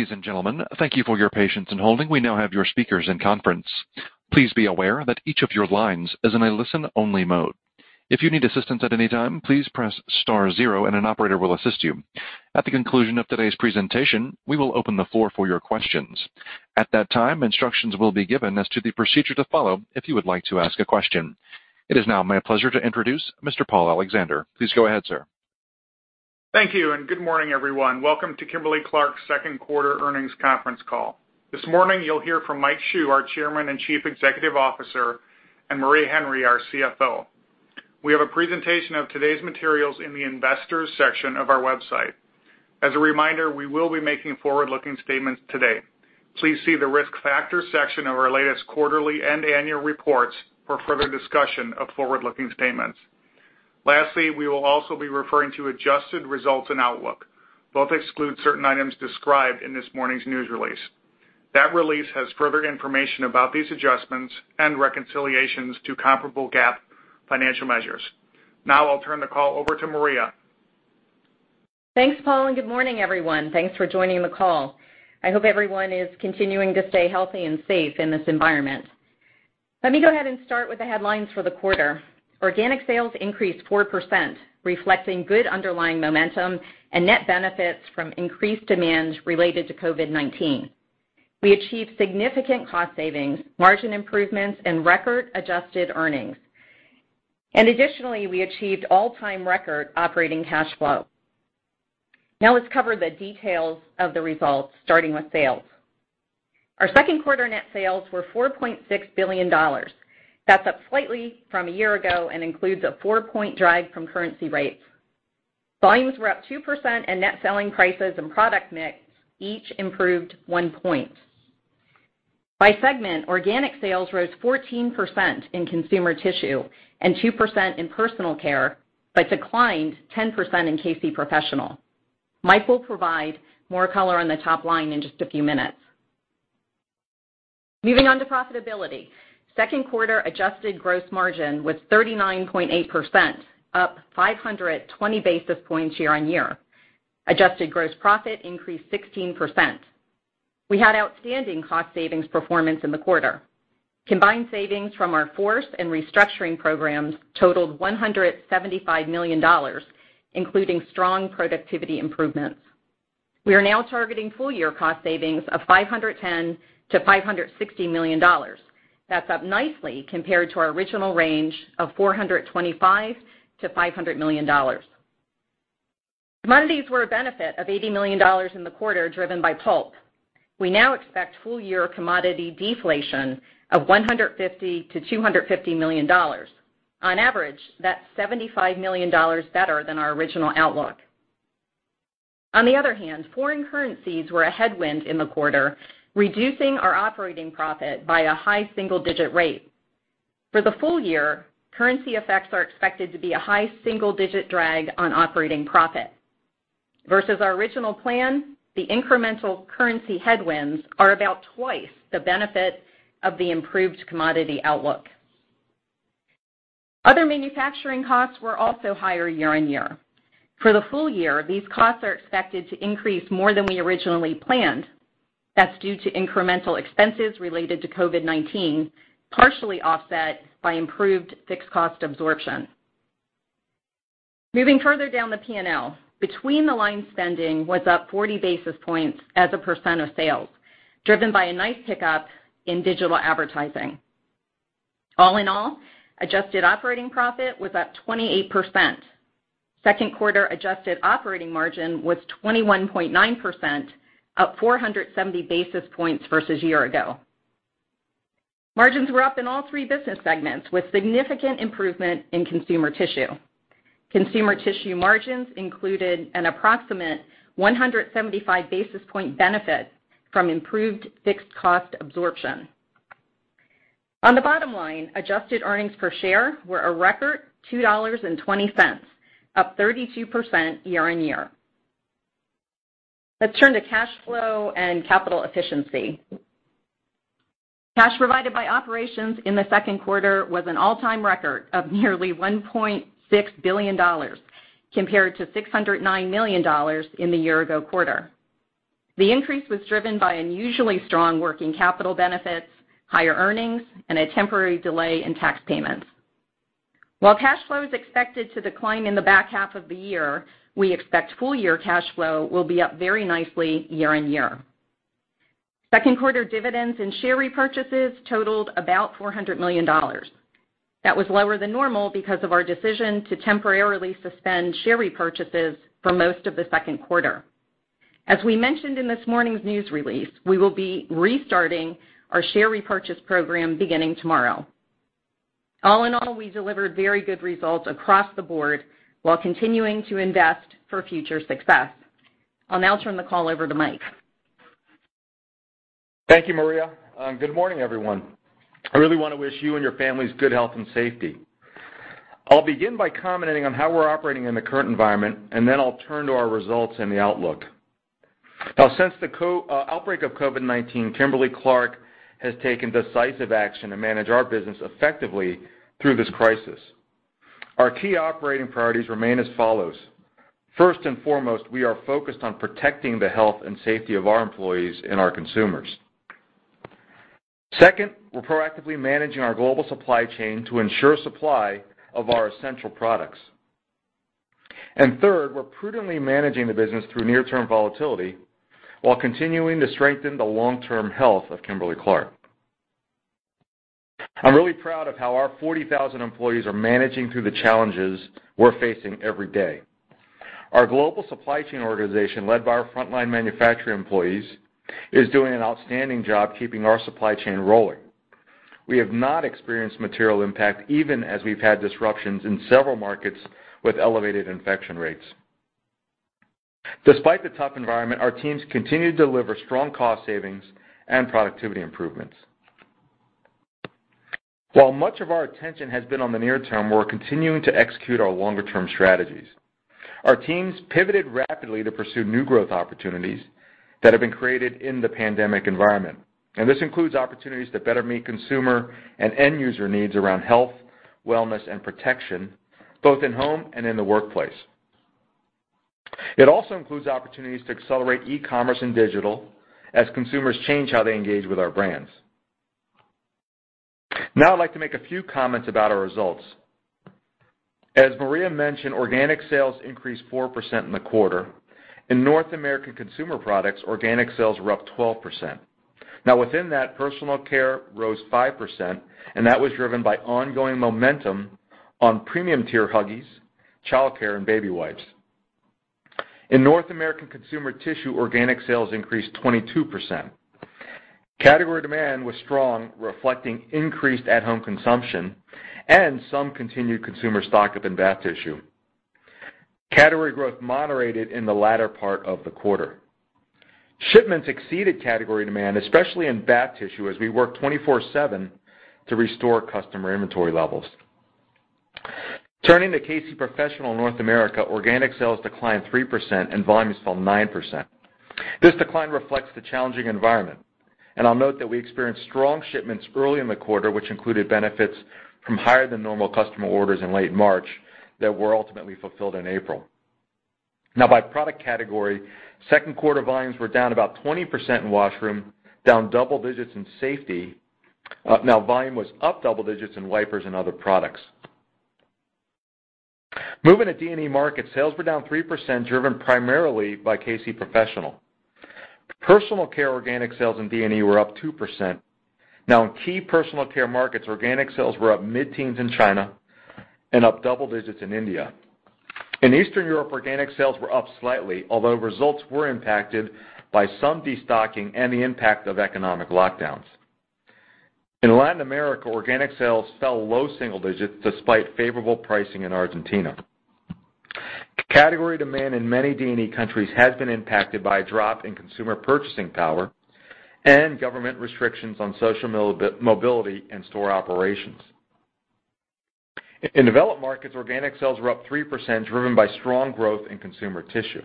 Ladies and gentlemen, thank you for your patience in holding. We now have your speakers in conference. Please be aware that each of your lines is in a listen-only mode. If you need assistance at any time, please press star zero and an operator will assist you. At the conclusion of today's presentation, we will open the floor for your questions. At that time, instructions will be given as to the procedure to follow if you would like to ask a question. It is now my pleasure to introduce Mr. Paul Alexander. Please go ahead, sir. Thank you. Good morning, everyone. Welcome to Kimberly-Clark's Second Quarter Earnings Conference Call. This morning, you'll hear from Mike Hsu, our Chairman and Chief Executive Officer, and Maria Henry, our CFO. We have a presentation of today's materials in the Investors section of our website. As a reminder, we will be making forward-looking statements today. Please see the Risk Factors section of our latest quarterly and annual reports for further discussion of forward-looking statements. Lastly, we will also be referring to adjusted results and outlook. Both exclude certain items described in this morning's news release. That release has further information about these adjustments and reconciliations to comparable GAAP financial measures. Now I'll turn the call over to Maria. Thanks, Paul. Good morning, everyone. Thanks for joining the call. I hope everyone is continuing to stay healthy and safe in this environment. Let me go ahead and start with the headlines for the quarter. Organic sales increased 4%, reflecting good underlying momentum and net benefits from increased demands related to COVID-19. We achieved significant cost savings, margin improvements, and record adjusted earnings. Additionally, we achieved all-time record operating cash flow. Now let's cover the details of the results, starting with sales. Our second quarter net sales were $4.6 billion. That's up slightly from a year ago and includes a four-point drive from currency rates. Volumes were up 2%, and net selling prices and product mix each improved one point. By segment, organic sales rose 14% in Consumer Tissue and 2% in Personal Care but declined 10% in K-C Professional. Mike will provide more color on the top line in just a few minutes. Moving on to profitability. Second quarter adjusted gross margin was 39.8%, up 520 basis points year-on-year. Adjusted gross profit increased 16%. We had outstanding cost savings performance in the quarter. Combined savings from our FORCE and restructuring programs totaled $175 million, including strong productivity improvements. We are now targeting full-year cost savings of $510 million-$560 million. That's up nicely compared to our original range of $425 million-$500 million. Commodities were a benefit of $80 million in the quarter, driven by pulp. We now expect full-year commodity deflation of $150 million-$250 million. On average, that's $75 million better than our original outlook. On the other hand, foreign currencies were a headwind in the quarter, reducing our operating profit by a high single-digit rate. For the full year, currency effects are expected to be a high single-digit drag on operating profit. Versus our original plan, the incremental currency headwinds are about twice the benefit of the improved commodity outlook. Other manufacturing costs were also higher year-over-year. For the full year, these costs are expected to increase more than we originally planned. That's due to incremental expenses related to COVID-19, partially offset by improved fixed cost absorption. Moving further down the P&L, between-the-line spending was up 40 basis points as a percent of sales, driven by a nice pickup in digital advertising. All in all, adjusted operating profit was up 28%. Second quarter adjusted operating margin was 21.9%, up 470 basis points versus year-ago. Margins were up in all three business segments, with significant improvement in Consumer Tissue. Consumer Tissue margins included an approximate 175-basis-point benefit from improved fixed cost absorption. On the bottom line, adjusted EPS were a record $2.20, up 32% year-on-year. Let's turn to cash flow and capital efficiency. Cash provided by operations in the second quarter was an all-time record of nearly $1.6 billion, compared to $609 million in the year-ago quarter. The increase was driven by unusually strong working capital benefits, higher earnings, and a temporary delay in tax payments. While cash flow is expected to decline in the back half of the year, we expect full-year cash flow will be up very nicely year-on-year. Second quarter dividends and share repurchases totaled about $400 million. That was lower than normal because of our decision to temporarily suspend share repurchases for most of the second quarter. As we mentioned in this morning's news release, we will be restarting our share repurchase program beginning tomorrow. All in all, we delivered very good results across the board while continuing to invest for future success. I'll now turn the call over to Mike. Thank you, Maria. Good morning, everyone. I really want to wish you and your families good health and safety. I'll begin by commenting on how we're operating in the current environment, and then I'll turn to our results and the outlook. Since the outbreak of COVID-19, Kimberly-Clark has taken decisive action to manage our business effectively through this crisis Our key operating priorities remain as follows. First and foremost, we are focused on protecting the health and safety of our employees and our consumers. Second, we're proactively managing our global supply chain to ensure supply of our essential products. Third, we're prudently managing the business through near-term volatility while continuing to strengthen the long-term health of Kimberly-Clark. I'm really proud of how our 40,000 employees are managing through the challenges we're facing every day. Our global supply chain organization, led by our frontline manufacturing employees, is doing an outstanding job keeping our supply chain rolling. We have not experienced material impact even as we've had disruptions in several markets with elevated infection rates. Despite the tough environment, our teams continue to deliver strong cost savings and productivity improvements. While much of our attention has been on the near term, we're continuing to execute our longer-term strategies. Our teams pivoted rapidly to pursue new growth opportunities that have been created in the pandemic environment. This includes opportunities to better meet consumer and end user needs around health, wellness, and protection, both in home and in the workplace. It also includes opportunities to accelerate e-commerce and digital as consumers change how they engage with our brands. I'd like to make a few comments about our results. As Maria mentioned, organic sales increased 4% in the quarter. In North American consumer products, organic sales were up 12%. Within that, Personal Care rose 5%, and that was driven by ongoing momentum on premium tier Huggies, Goodnites, and baby wipes. In North American Consumer Tissue, organic sales increased 22%. Category demand was strong, reflecting increased at-home consumption and some continued consumer stock-up in bath tissue. Category growth moderated in the latter part of the quarter. Shipments exceeded category demand, especially in bath tissue, as we worked 24/7 to restore customer inventory levels. Turning to K-C Professional North America, organic sales declined 3% and volumes fell 9%. This decline reflects the challenging environment. I'll note that we experienced strong shipments early in the quarter, which included benefits from higher than normal customer orders in late March that were ultimately fulfilled in April. By product category, second quarter volumes were down about 20% in washroom, down double digits in safety. Volume was up double digits in wipers and other products. Moving to D&E markets, sales were down 3%, driven primarily by K-C Professional. Personal Care organic sales in D&E were up 2%. In key Personal Care markets, organic sales were up mid-teens in China and up double digits in India. In Eastern Europe, organic sales were up slightly, although results were impacted by some destocking and the impact of economic lockdowns. In Latin America, organic sales fell low single digits despite favorable pricing in Argentina. Category demand in many D&E countries has been impacted by a drop in consumer purchasing power and government restrictions on social mobility and store operations. In developed markets, organic sales were up 3%, driven by strong growth in Consumer Tissue.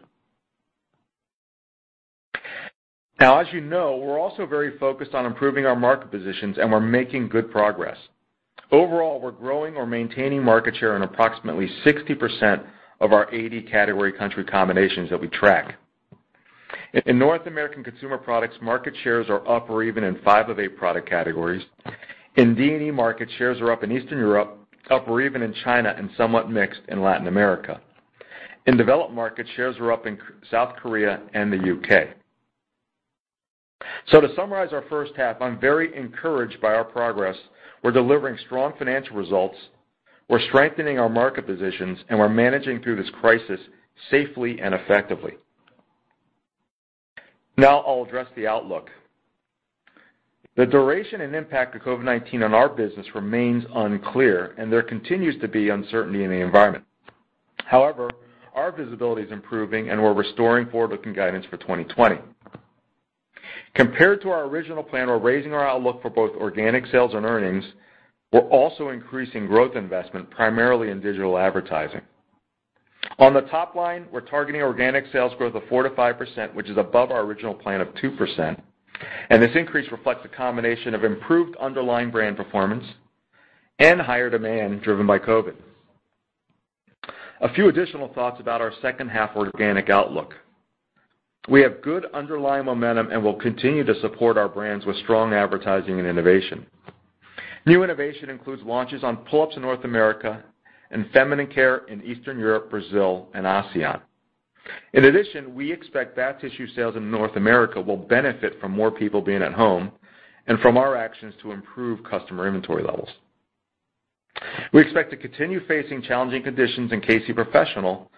As you know, we're also very focused on improving our market positions, and we're making good progress. Overall, we're growing or maintaining market share in approximately 60% of our 80 category country combinations that we track. In North American consumer products, market shares are up or even in five of eight product categories. In D&E markets, shares are up in Eastern Europe, up or even in China, and somewhat mixed in Latin America. In developed markets, shares are up in South Korea and the U.K. To summarize our first half, I'm very encouraged by our progress. We're delivering strong financial results. We're strengthening our market positions, and we're managing through this crisis safely and effectively. Now I'll address the outlook. The duration and impact of COVID-19 on our business remains unclear, and there continues to be uncertainty in the environment. However, our visibility is improving, and we're restoring forward-looking guidance for 2020. Compared to our original plan, we're raising our outlook for both organic sales and earnings. We're also increasing growth investment, primarily in digital advertising. On the top line, we're targeting organic sales growth of 4%-5%, which is above our original plan of 2%, and this increase reflects a combination of improved underlying brand performance and higher demand driven by COVID. A few additional thoughts about our second half organic outlook. We have good underlying momentum and will continue to support our brands with strong advertising and innovation. New innovation includes launches on Pull-Ups in North America and feminine care in Eastern Europe, Brazil, and ASEAN. In addition, we expect bath tissue sales in North America will benefit from more people being at home and from our actions to improve customer inventory levels. We expect to continue facing challenging conditions in K-C Professional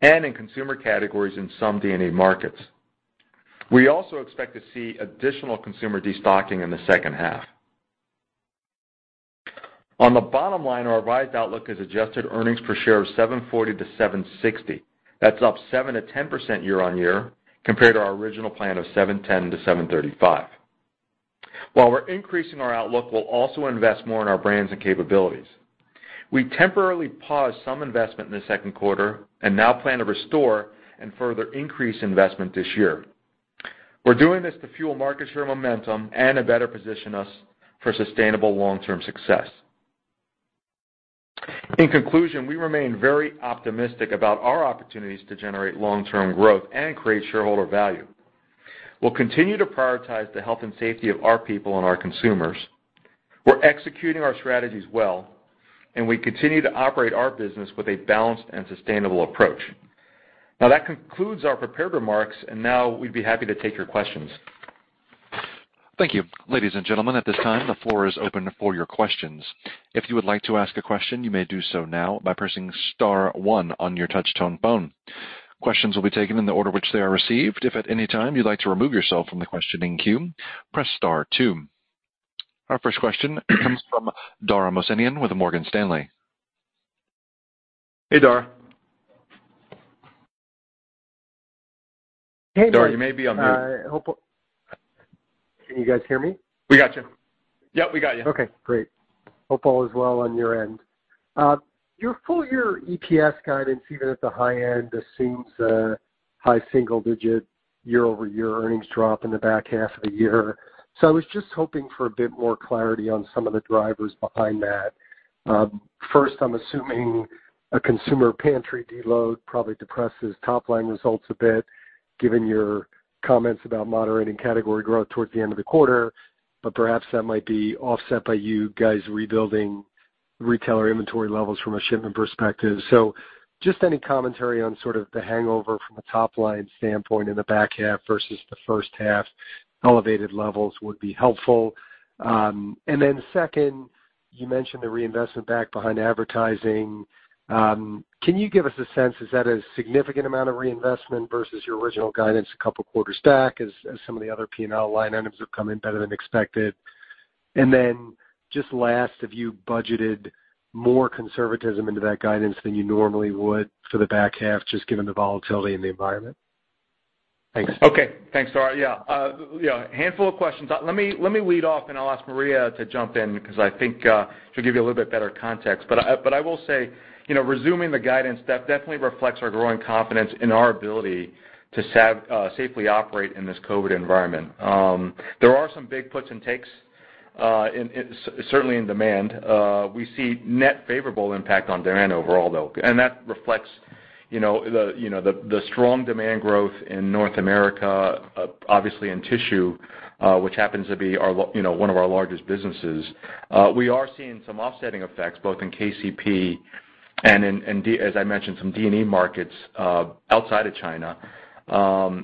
and in consumer categories in some D&E markets. We also expect to see additional consumer destocking in the second half. On the bottom line, our revised outlook is adjusted earnings per share of $7.40-$7.60. That's up 7%-10% year-over-year, compared to our original plan of $7.10-$7.35. While we're increasing our outlook, we'll also invest more in our brands and capabilities. We temporarily paused some investment in the second quarter and now plan to restore and further increase investment this year. We're doing this to fuel market share momentum and to better position us for sustainable long-term success. In conclusion, we remain very optimistic about our opportunities to generate long-term growth and create shareholder value. We'll continue to prioritize the health and safety of our people and our consumers. We're executing our strategies well, and we continue to operate our business with a balanced and sustainable approach. Now, that concludes our prepared remarks, and now we'd be happy to take your questions. Thank you. Ladies and gentlemen, at this time, the floor is open for your questions. If you would like to ask a question, you may do so now by pressing star one on your touch-tone phone. Questions will be taken in the order which they are received. If at any time you'd like to remove yourself from the questioning queue, press star two. Our first question comes from Dara Mohsenian with Morgan Stanley. Hey, Dara. Dara, you may be on mute. Hey. Can you guys hear me? We got you. Yep, we got you. Okay, great. Hope all is well on your end. Your full-year EPS guidance, even at the high end, assumes a high single-digit year-over-year earnings drop in the back half of the year. I was just hoping for a bit more clarity on some of the drivers behind that. First, I'm assuming a consumer pantry deload probably depresses top-line results a bit, given your comments about moderating category growth towards the end of the quarter, but perhaps that might be offset by you guys rebuilding retailer inventory levels from a shipment perspective. Just any commentary on sort of the hangover from a top-line standpoint in the back half versus the first half. Elevated levels would be helpful. Second, you mentioned the reinvestment back behind advertising. Can you give us a sense, is that a significant amount of reinvestment versus your original guidance a couple quarters back as some of the other P&L line items have come in better than expected? Just last, have you budgeted more conservatism into that guidance than you normally would for the back half, just given the volatility in the environment? Thanks. Okay. Thanks, Dara. Yeah. A handful of questions. Let me lead off, and I'll ask Maria to jump in because I think she'll give you a little bit better context. I will say, resuming the guidance, that definitely reflects our growing confidence in our ability to safely operate in this COVID-19 environment. There are some big puts and takes, certainly in demand. We see net favorable impact on demand overall, though. That reflects the strong demand growth in North America, obviously in tissue, which happens to be one of our largest businesses. We are seeing some offsetting effects both in KCP and in, as I mentioned, some D&E markets outside of China. I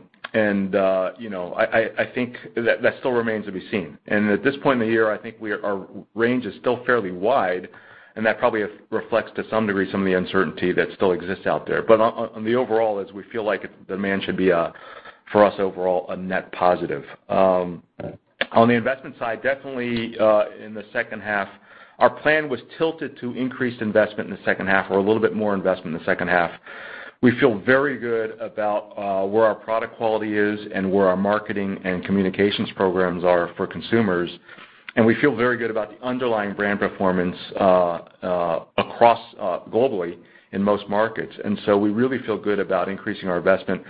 think that still remains to be seen. At this point in the year, I think our range is still fairly wide, and that probably reflects to some degree some of the uncertainty that still exists out there. On the overall is we feel like demand should be, for us overall, a net positive. On the investment side, definitely in the second half, our plan was tilted to increase investment in the second half or a little bit more investment in the second half. We feel very good about where our product quality is and where our marketing and communications programs are for consumers. We feel very good about the underlying brand performance globally in most markets. We really feel good about increasing our investment.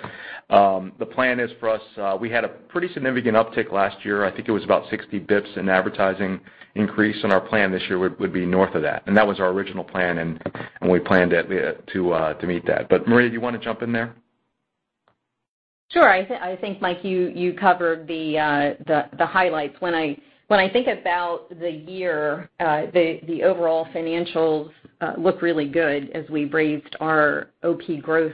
The plan is for us, we had a pretty significant uptick last year. I think it was about 60 basis points in advertising increase. Our plan this year would be north of that. That was our original plan, and we planned it to meet that. Maria, do you want to jump in there? Sure. I think, Mike, you covered the highlights. When I think about the year, the overall financials look really good as we've raised our OP growth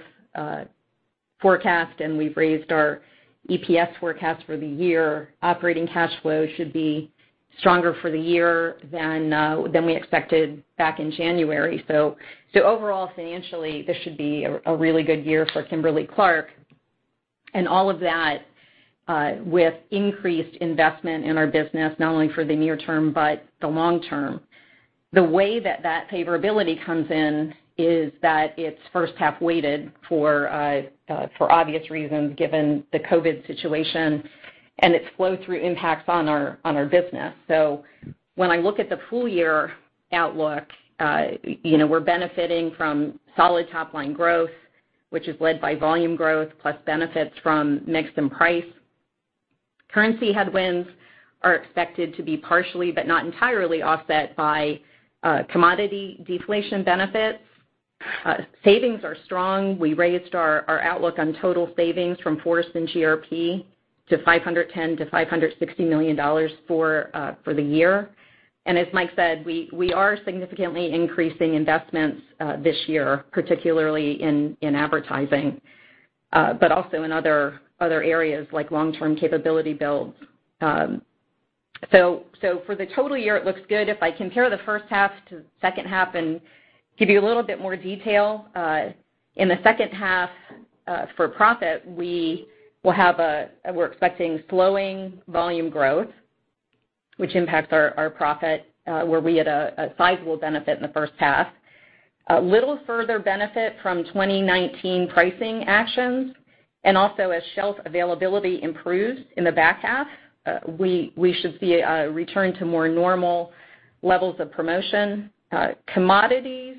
forecast and we've raised our EPS forecast for the year. Operating cash flow should be stronger for the year than we expected back in January. Overall, financially, this should be a really good year for Kimberly-Clark. All of that with increased investment in our business, not only for the near term but the long term. The way that that favorability comes in is that it's first half weighted for obvious reasons given the COVID-19 situation and its flow-through impacts on our business. When I look at the full-year outlook, we're benefiting from solid top-line growth, which is led by volume growth plus benefits from mix and price. Currency headwinds are expected to be partially, but not entirely offset by commodity deflation benefits. Savings are strong. We raised our outlook on total savings from FORCE Program to $510 million-$560 million for the year. As Mike said, we are significantly increasing investments this year, particularly in advertising, but also in other areas like long-term capability builds. For the total year, it looks good. If I compare the first half to the second half and give you a little bit more detail, in the second half, for profit, we're expecting slowing volume growth, which impacts our profit, where we had a sizable benefit in the first half. A little further benefit from 2019 pricing actions. Also as shelf availability improves in the back half, we should see a return to more normal levels of promotion. Commodities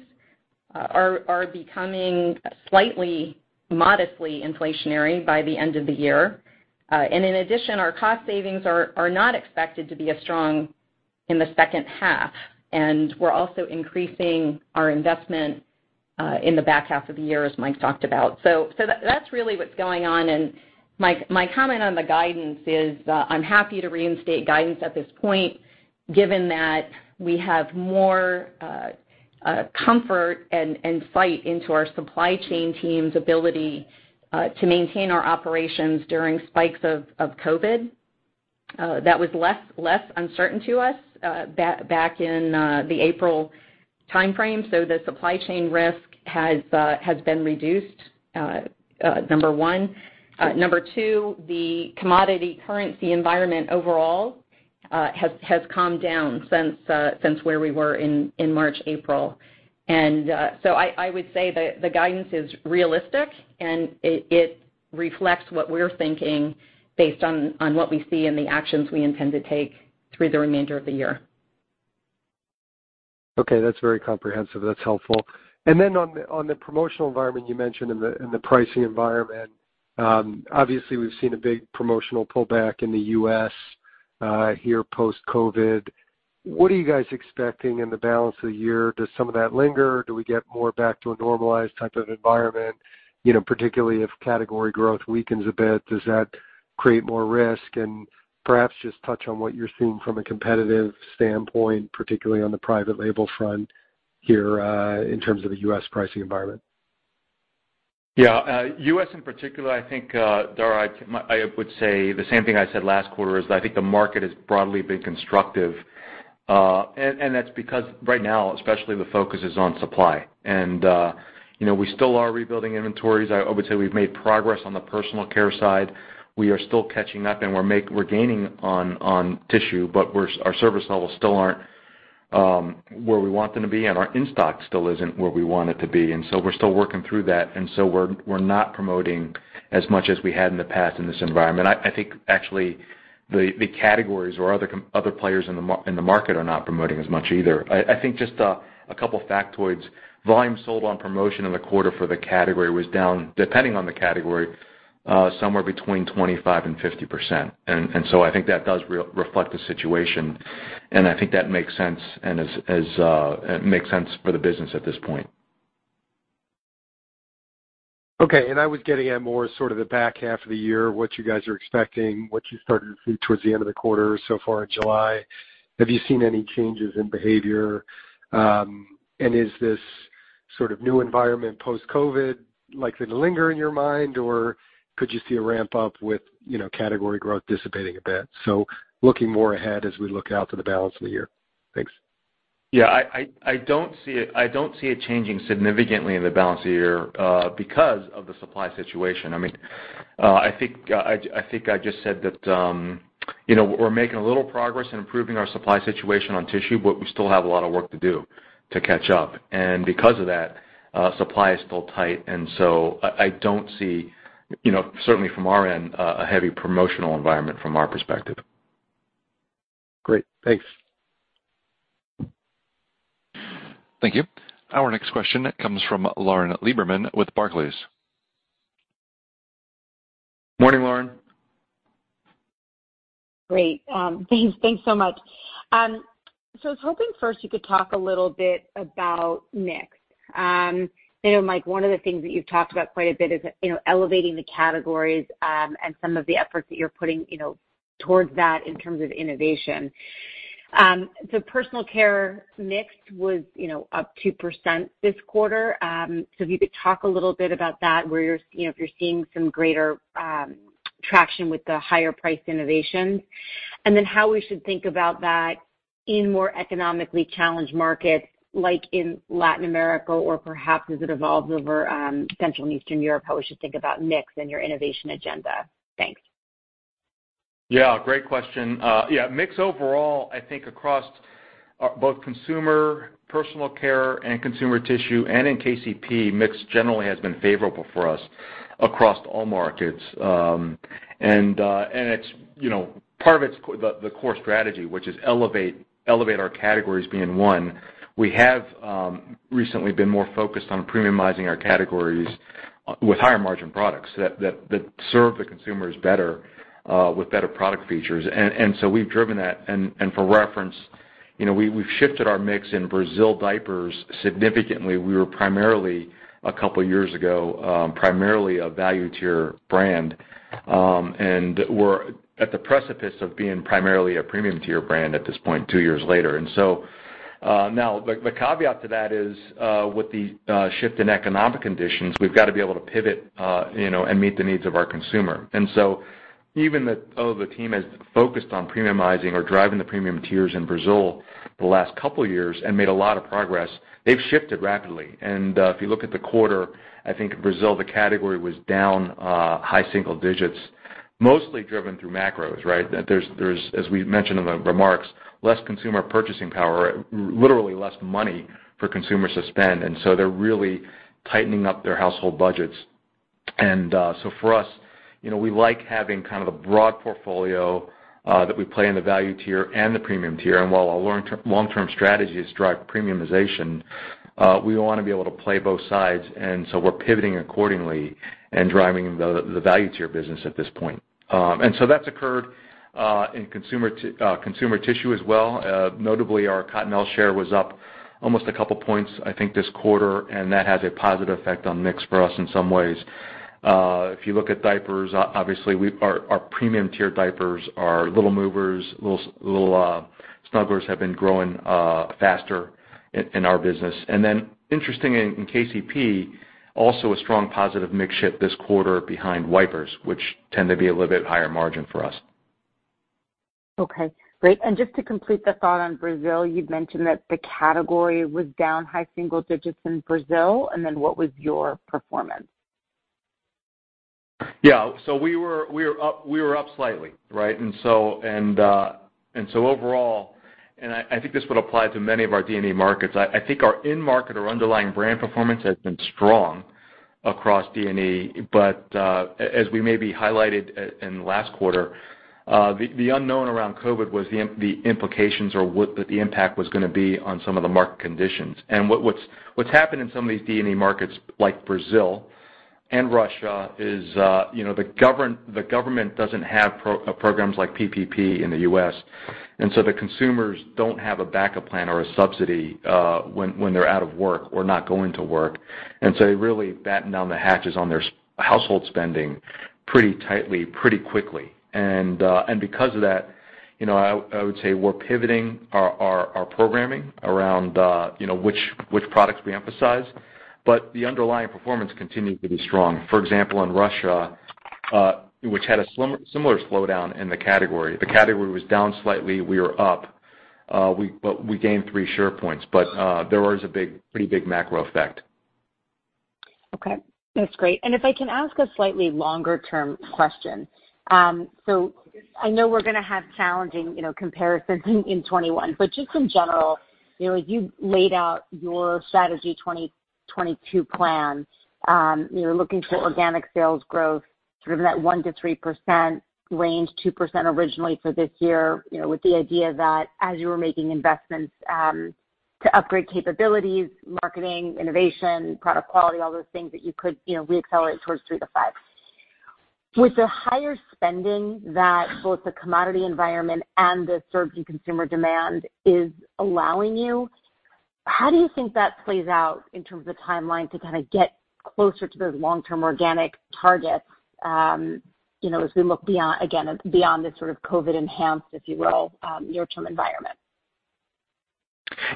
are becoming slightly modestly inflationary by the end of the year. In addition, our cost savings are not expected to be as strong in the second half, and we're also increasing our investment in the back half of the year, as Mike talked about. That's really what's going on. My comment on the guidance is, I'm happy to reinstate guidance at this point, given that we have more comfort and insight into our supply chain team's ability to maintain our operations during spikes of COVID. That was less uncertain to us back in the April timeframe. The supply chain risk has been reduced, number one. Number two, the commodity currency environment overall, has calmed down since where we were in March, April. I would say the guidance is realistic, and it reflects what we're thinking based on what we see and the actions we intend to take through the remainder of the year. Okay, that's very comprehensive. That's helpful. Then on the promotional environment you mentioned and the pricing environment, obviously we've seen a big promotional pullback in the U.S. here post-COVID. What are you guys expecting in the balance of the year? Does some of that linger? Do we get more back to a normalized type of environment? Particularly if category growth weakens a bit, does that create more risk? Perhaps just touch on what you're seeing from a competitive standpoint, particularly on the private label front here, in terms of the U.S. pricing environment. Yeah, U.S. in particular, I think, Dara, I would say the same thing I said last quarter, is I think the market has broadly been constructive. That's because right now, especially, the focus is on supply. We still are rebuilding inventories. I would say we've made progress on the Personal Care side. We are still catching up, and we're gaining on tissue, but our service levels still aren't where we want them to be, and our in-stock still isn't where we want it to be. We're still working through that, and so we're not promoting as much as we had in the past in this environment. I think actually, the categories or other players in the market are not promoting as much either. I think just a couple factoids. Volume sold on promotion in the quarter for the category was down, depending on the category, somewhere between 25% and 50%. I think that does reflect the situation, and I think that makes sense, and it makes sense for the business at this point. Okay, I was getting at more sort of the back half of the year, what you guys are expecting, what you started to see towards the end of the quarter so far in July. Have you seen any changes in behavior? Is this sort of new environment post-COVID likely to linger in your mind? Or could you see a ramp-up with category growth dissipating a bit? Looking more ahead as we look out to the balance of the year. Thanks. Yeah, I don't see it changing significantly in the balance of the year, because of the supply situation. I think I just said that we're making a little progress in improving our supply situation on tissue, but we still have a lot of work to do to catch up. Because of that, supply is still tight, and so I don't see, certainly from our end, a heavy promotional environment from our perspective. Great. Thanks. Thank you. Our next question comes from Lauren Lieberman with Barclays. Morning, Lauren. Great. Thanks so much. I was hoping first you could talk a little bit about mix. Mike, one of the things that you've talked about quite a bit is elevating the categories, and some of the efforts that you're putting towards that in terms of innovation. The Personal Care mix was up 2% this quarter. If you could talk a little bit about that, if you're seeing some greater traction with the higher priced innovations. How we should think about that in more economically challenged markets, like in Latin America or perhaps as it evolves over Central and Eastern Europe, how we should think about mix and your innovation agenda. Thanks. Great question. Mix overall, I think across both Personal Care and Consumer Tissue and in KCP, mix generally has been favorable for us across all markets. Part of it's the core strategy, which is elevate our categories being one. We have recently been more focused on premiumizing our categories with higher margin products that serve the consumers better, with better product features. We've driven that, and for reference, we've shifted our mix in Brazil diapers significantly. We were, a couple years ago, primarily a value tier brand. We're at the precipice of being primarily a premium tier brand at this point two years later. Now, the caveat to that is, with the shift in economic conditions, we've got to be able to pivot and meet the needs of our consumer. Even though the team has focused on premiumizing or driving the premium tiers in Brazil for the last couple of years and made a lot of progress, they've shifted rapidly. If you look at the quarter, I think Brazil, the category, was down high single digits, mostly driven through macros, right? As we mentioned in the remarks, less consumer purchasing power, literally less money for consumers to spend. They're really tightening up their household budgets. So for us, we like having kind of the broad portfolio that we play in the value tier and the premium tier. While our long-term strategy is drive premiumization, we want to be able to play both sides, and so we're pivoting accordingly and driving the value tier business at this point. That's occurred in Consumer Tissue as well. Notably, our Cottonelle share was up almost a couple points, I think, this quarter. That has a positive effect on mix for us in some ways. If you look at diapers, obviously, our premium tier diapers, our Little Movers, Little Snugglers, have been growing faster in our business. Interesting in KCP, also a strong positive mix shift this quarter behind wipers, which tend to be a little bit higher margin for us. Okay, great. Just to complete the thought on Brazil, you'd mentioned that the category was down high single digits in Brazil, what was your performance? We were up slightly. Overall, I think this would apply to many of our D&E markets. I think our in-market or underlying brand performance has been strong across D&E. As we maybe highlighted in the last quarter, the unknown around COVID was the implications or what the impact was going to be on some of the market conditions. What's happened in some of these D&E markets like Brazil and Russia is the government doesn't have programs like PPP in the U.S., the consumers don't have a backup plan or a subsidy, when they're out of work or not going to work. They really batten down the hatches on their household spending pretty tightly, pretty quickly. Because of that, I would say we're pivoting our programming around which products we emphasize. The underlying performance continued to be strong. For example, in Russia, which had a similar slowdown in the category. The category was down slightly. We are up. We gained three share points. There was a pretty big macro effect. Okay. That's great. If I can ask a slightly longer-term question. I know we're going to have challenging comparisons in 2021. Just in general, as you laid out your Sustainability 2022 strategy, you're looking for organic sales growth, sort of in that 1%-3% range, 2% originally for this year, with the idea that as you were making investments, to upgrade capabilities, marketing, innovation, product quality, all those things that you could re-accelerate towards 3%-5%. With the higher spending that both the commodity environment and the surging consumer demand is allowing you, how do you think that plays out in terms of the timeline to kind of get closer to those long-term organic targets, as we look, again, beyond this sort of COVID-enhanced, if you will, near-term environment?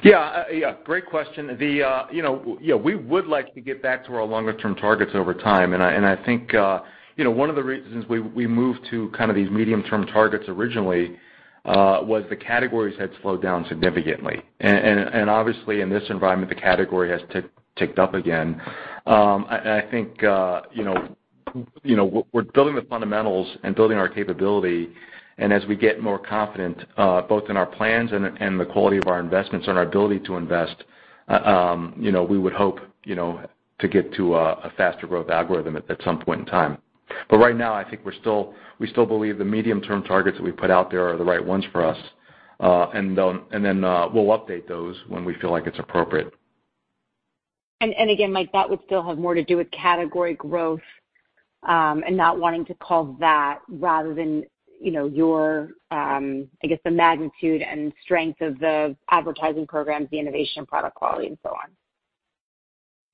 Yeah. Great question. We would like to get back to our longer-term targets over time, and I think, one of the reasons we moved to these medium-term targets originally, was the categories had slowed down significantly. Obviously, in this environment, the category has ticked up again. I think, we're building the fundamentals and building our capability, and as we get more confident, both in our plans and the quality of our investments and our ability to invest, we would hope to get to a faster growth algorithm at some point in time. Right now, I think we still believe the medium-term targets that we put out there are the right ones for us. We'll update those when we feel like it's appropriate. Again, Mike, that would still have more to do with category growth, and not wanting to call that rather than, I guess, the magnitude and strength of the advertising programs, the innovation, product quality and so on.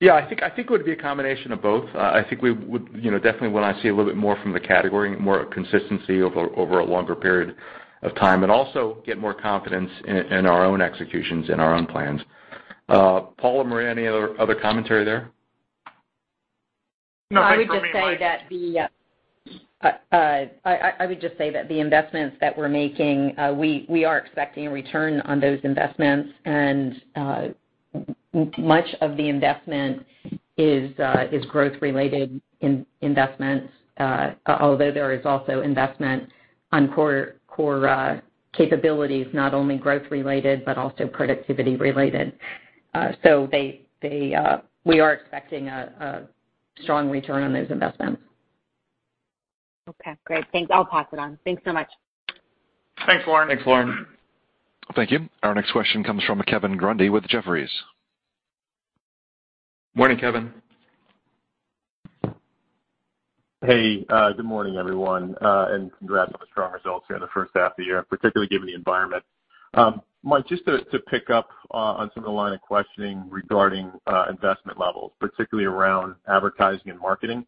I think it would be a combination of both. I think we would definitely want to see a little bit more from the category, more consistency over a longer period of time, and also get more confidence in our own executions and our own plans. Paul or Maria, any other commentary there? No, I would just say that the investments that we're making, we are expecting a return on those investments. Much of the investment is growth-related investments, although there is also investment on core capabilities, not only growth related, but also productivity related. We are expecting a strong return on those investments. Okay, great. Thanks. I will pass it on. Thanks so much. Thanks, Lauren. Thanks, Lauren. Thank you. Our next question comes from Kevin Grundy with Jefferies. Morning, Kevin. Hey, good morning, everyone, congrats on the strong results here in the first half of the year, particularly given the environment. Mike, just to pick up on some of the line of questioning regarding investment levels, particularly around advertising and marketing.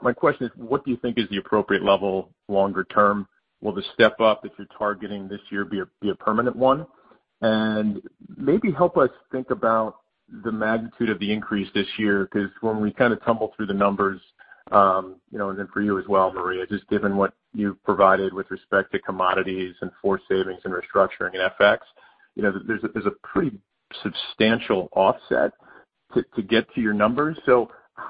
My question is, what do you think is the appropriate level longer term? Will the step up that you're targeting this year be a permanent one? Maybe help us think about the magnitude of the increase this year, because when we kind of tumble through the numbers, then for you as well, Maria, just given what you've provided with respect to commodities and FORCE savings and restructuring and FX, there's a pretty substantial offset to get to your numbers.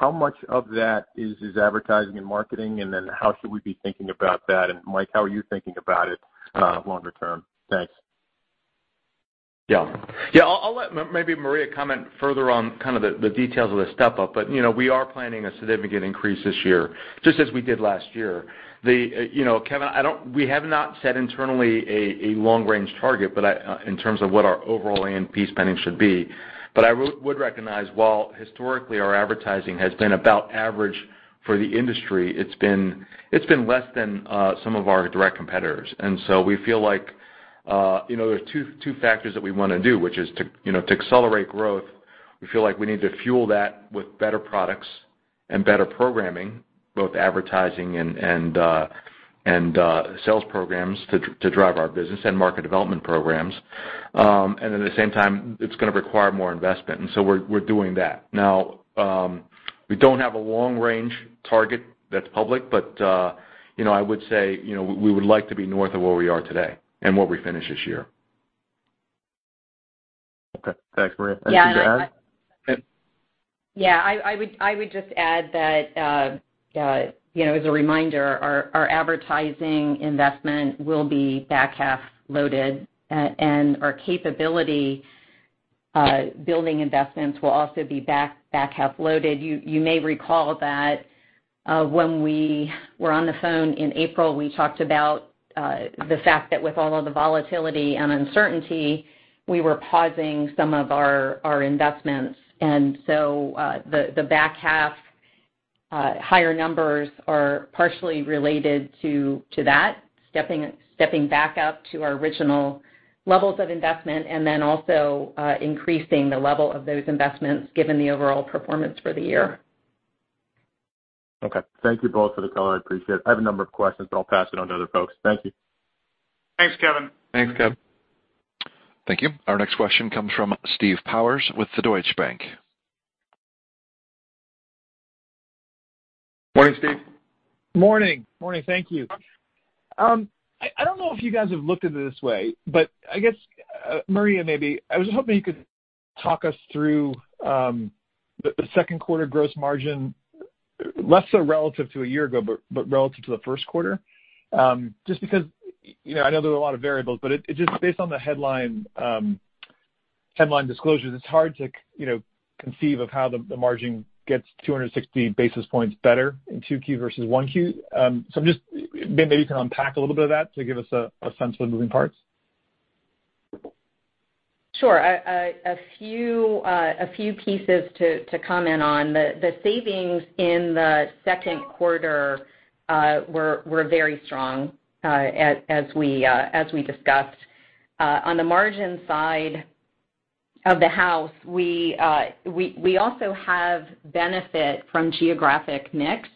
How much of that is advertising and marketing? How should we be thinking about that? Mike, how are you thinking about it longer term? Thanks. I'll let maybe Maria comment further on kind of the details of the step-up. We are planning a significant increase this year, just as we did last year. Kevin, we have not set internally a long-range target in terms of what our overall A&P spending should be. I would recognize while historically our advertising has been about average for the industry, it's been less than some of our direct competitors. We feel like there are two factors that we want to do, which is to accelerate growth. We feel like we need to fuel that with better products and better programming, both advertising and sales programs to drive our business and market development programs. At the same time, it's going to require more investment. We're doing that. Now, we don't have a long-range target that's public, but I would say, we would like to be north of where we are today and what we finish this year. Okay. Thanks. Maria, anything to add? Yeah. I would just add that, as a reminder, our advertising investment will be back-half loaded, and our capability building investments will also be back-half loaded. You may recall that when we were on the phone in April, we talked about the fact that with all of the volatility and uncertainty, we were pausing some of our investments. The back-half higher numbers are partially related to that, stepping back up to our original levels of investment and then also increasing the level of those investments given the overall performance for the year. Okay. Thank you both for the color. I appreciate it. I have a number of questions, but I'll pass it on to other folks. Thank you. Thanks, Kevin. Thanks, Kevin. Thank you. Our next question comes from Steve Powers with Deutsche Bank. Morning, Steve. Morning. Thank you. I don't know if you guys have looked into this way, but I guess, Maria, maybe, I was hoping you could talk us through the second quarter gross margin, less so relative to a year ago, but relative to the first quarter. Just because I know there are a lot of variables, but just based on the headline disclosures, it's hard to conceive of how the margin gets 260 basis points better in 2Q versus 1Q. Just maybe you can unpack a little bit of that to give us a sense of the moving parts. Sure. A few pieces to comment on. The savings in the second quarter were very strong, as we discussed. On the margin side of the house, we also have benefit from geographic mix.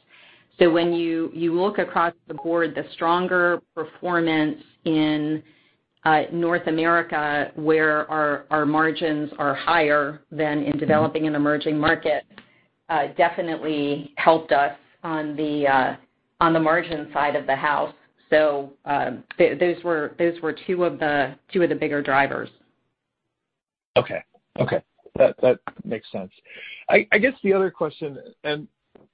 When you look across the board, the stronger performance in North America, where our margins are higher than in developing and emerging markets, definitely helped us on the margin side of the house. Those were two of the bigger drivers. Okay. That makes sense. I guess the other question, and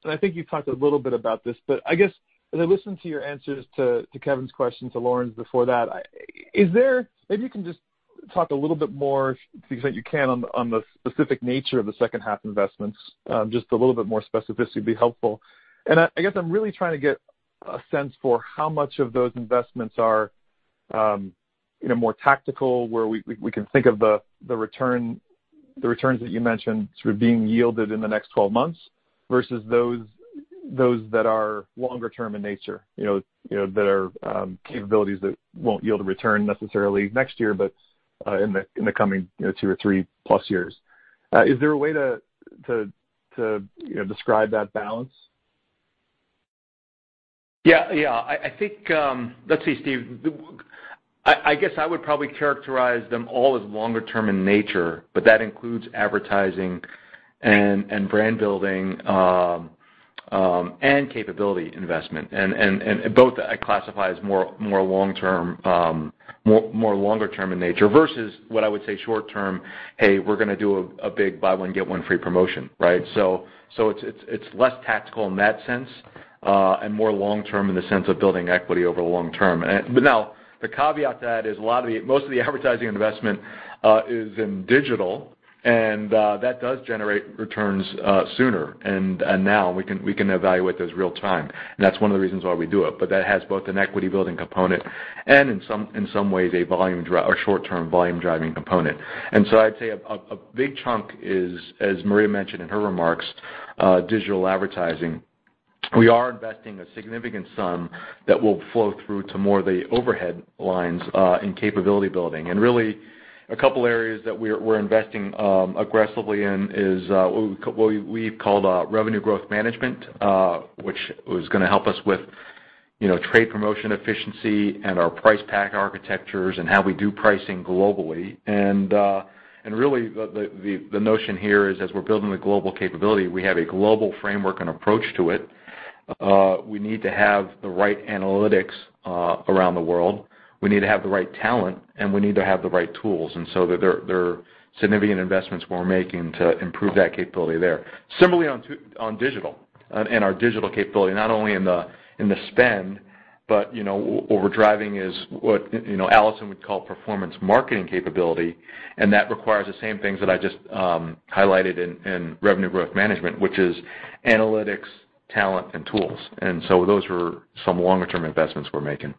I think you talked a little bit about this, but I guess as I listen to your answers to Kevin's question, to Lauren's before that, maybe you can just talk a little bit more, to the extent you can, on the specific nature of the second-half investments. Just a little bit more specificity would be helpful. I guess I'm really trying to get a sense for how much of those investments are more tactical, where we can think of the returns that you mentioned sort of being yielded in the next 12 months versus those that are longer term in nature, that are capabilities that won't yield a return necessarily next year, but in the coming two or three plus years. Is there a way to describe that balance? Yeah. Let's see, Steve. I guess I would probably characterize them all as longer term in nature, but that includes advertising and brand building and capability investment. Both I classify as more longer term in nature versus what I would say short term, "Hey, we're going to do a big buy one, get one free promotion." Right. It's less tactical in that sense, and more long term in the sense of building equity over the long term. Now, the caveat to that is most of the advertising investment is in digital, and that does generate returns sooner, and now we can evaluate those real time. That's one of the reasons why we do it. That has both an equity-building component and in some ways a short-term volume-driving component. I'd say a big chunk is, as Maria mentioned in her remarks, digital advertising. We are investing a significant sum that will flow through to more of the overhead lines in capability building. Really, a couple areas that we're investing aggressively in is what we've called revenue growth management, which is going to help us with trade promotion efficiency and our price pack architectures and how we do pricing globally. Really, the notion here is as we're building the global capability, we have a global framework and approach to it. We need to have the right analytics around the world. We need to have the right talent, and we need to have the right tools. There are significant investments we're making to improve that capability there. Similarly on digital and our digital capability, not only in the spend. What we're driving is what Alison would call performance marketing capability, and that requires the same things that I just highlighted in revenue growth management, which is analytics, talent, and tools. Those are some longer-term investments we're making.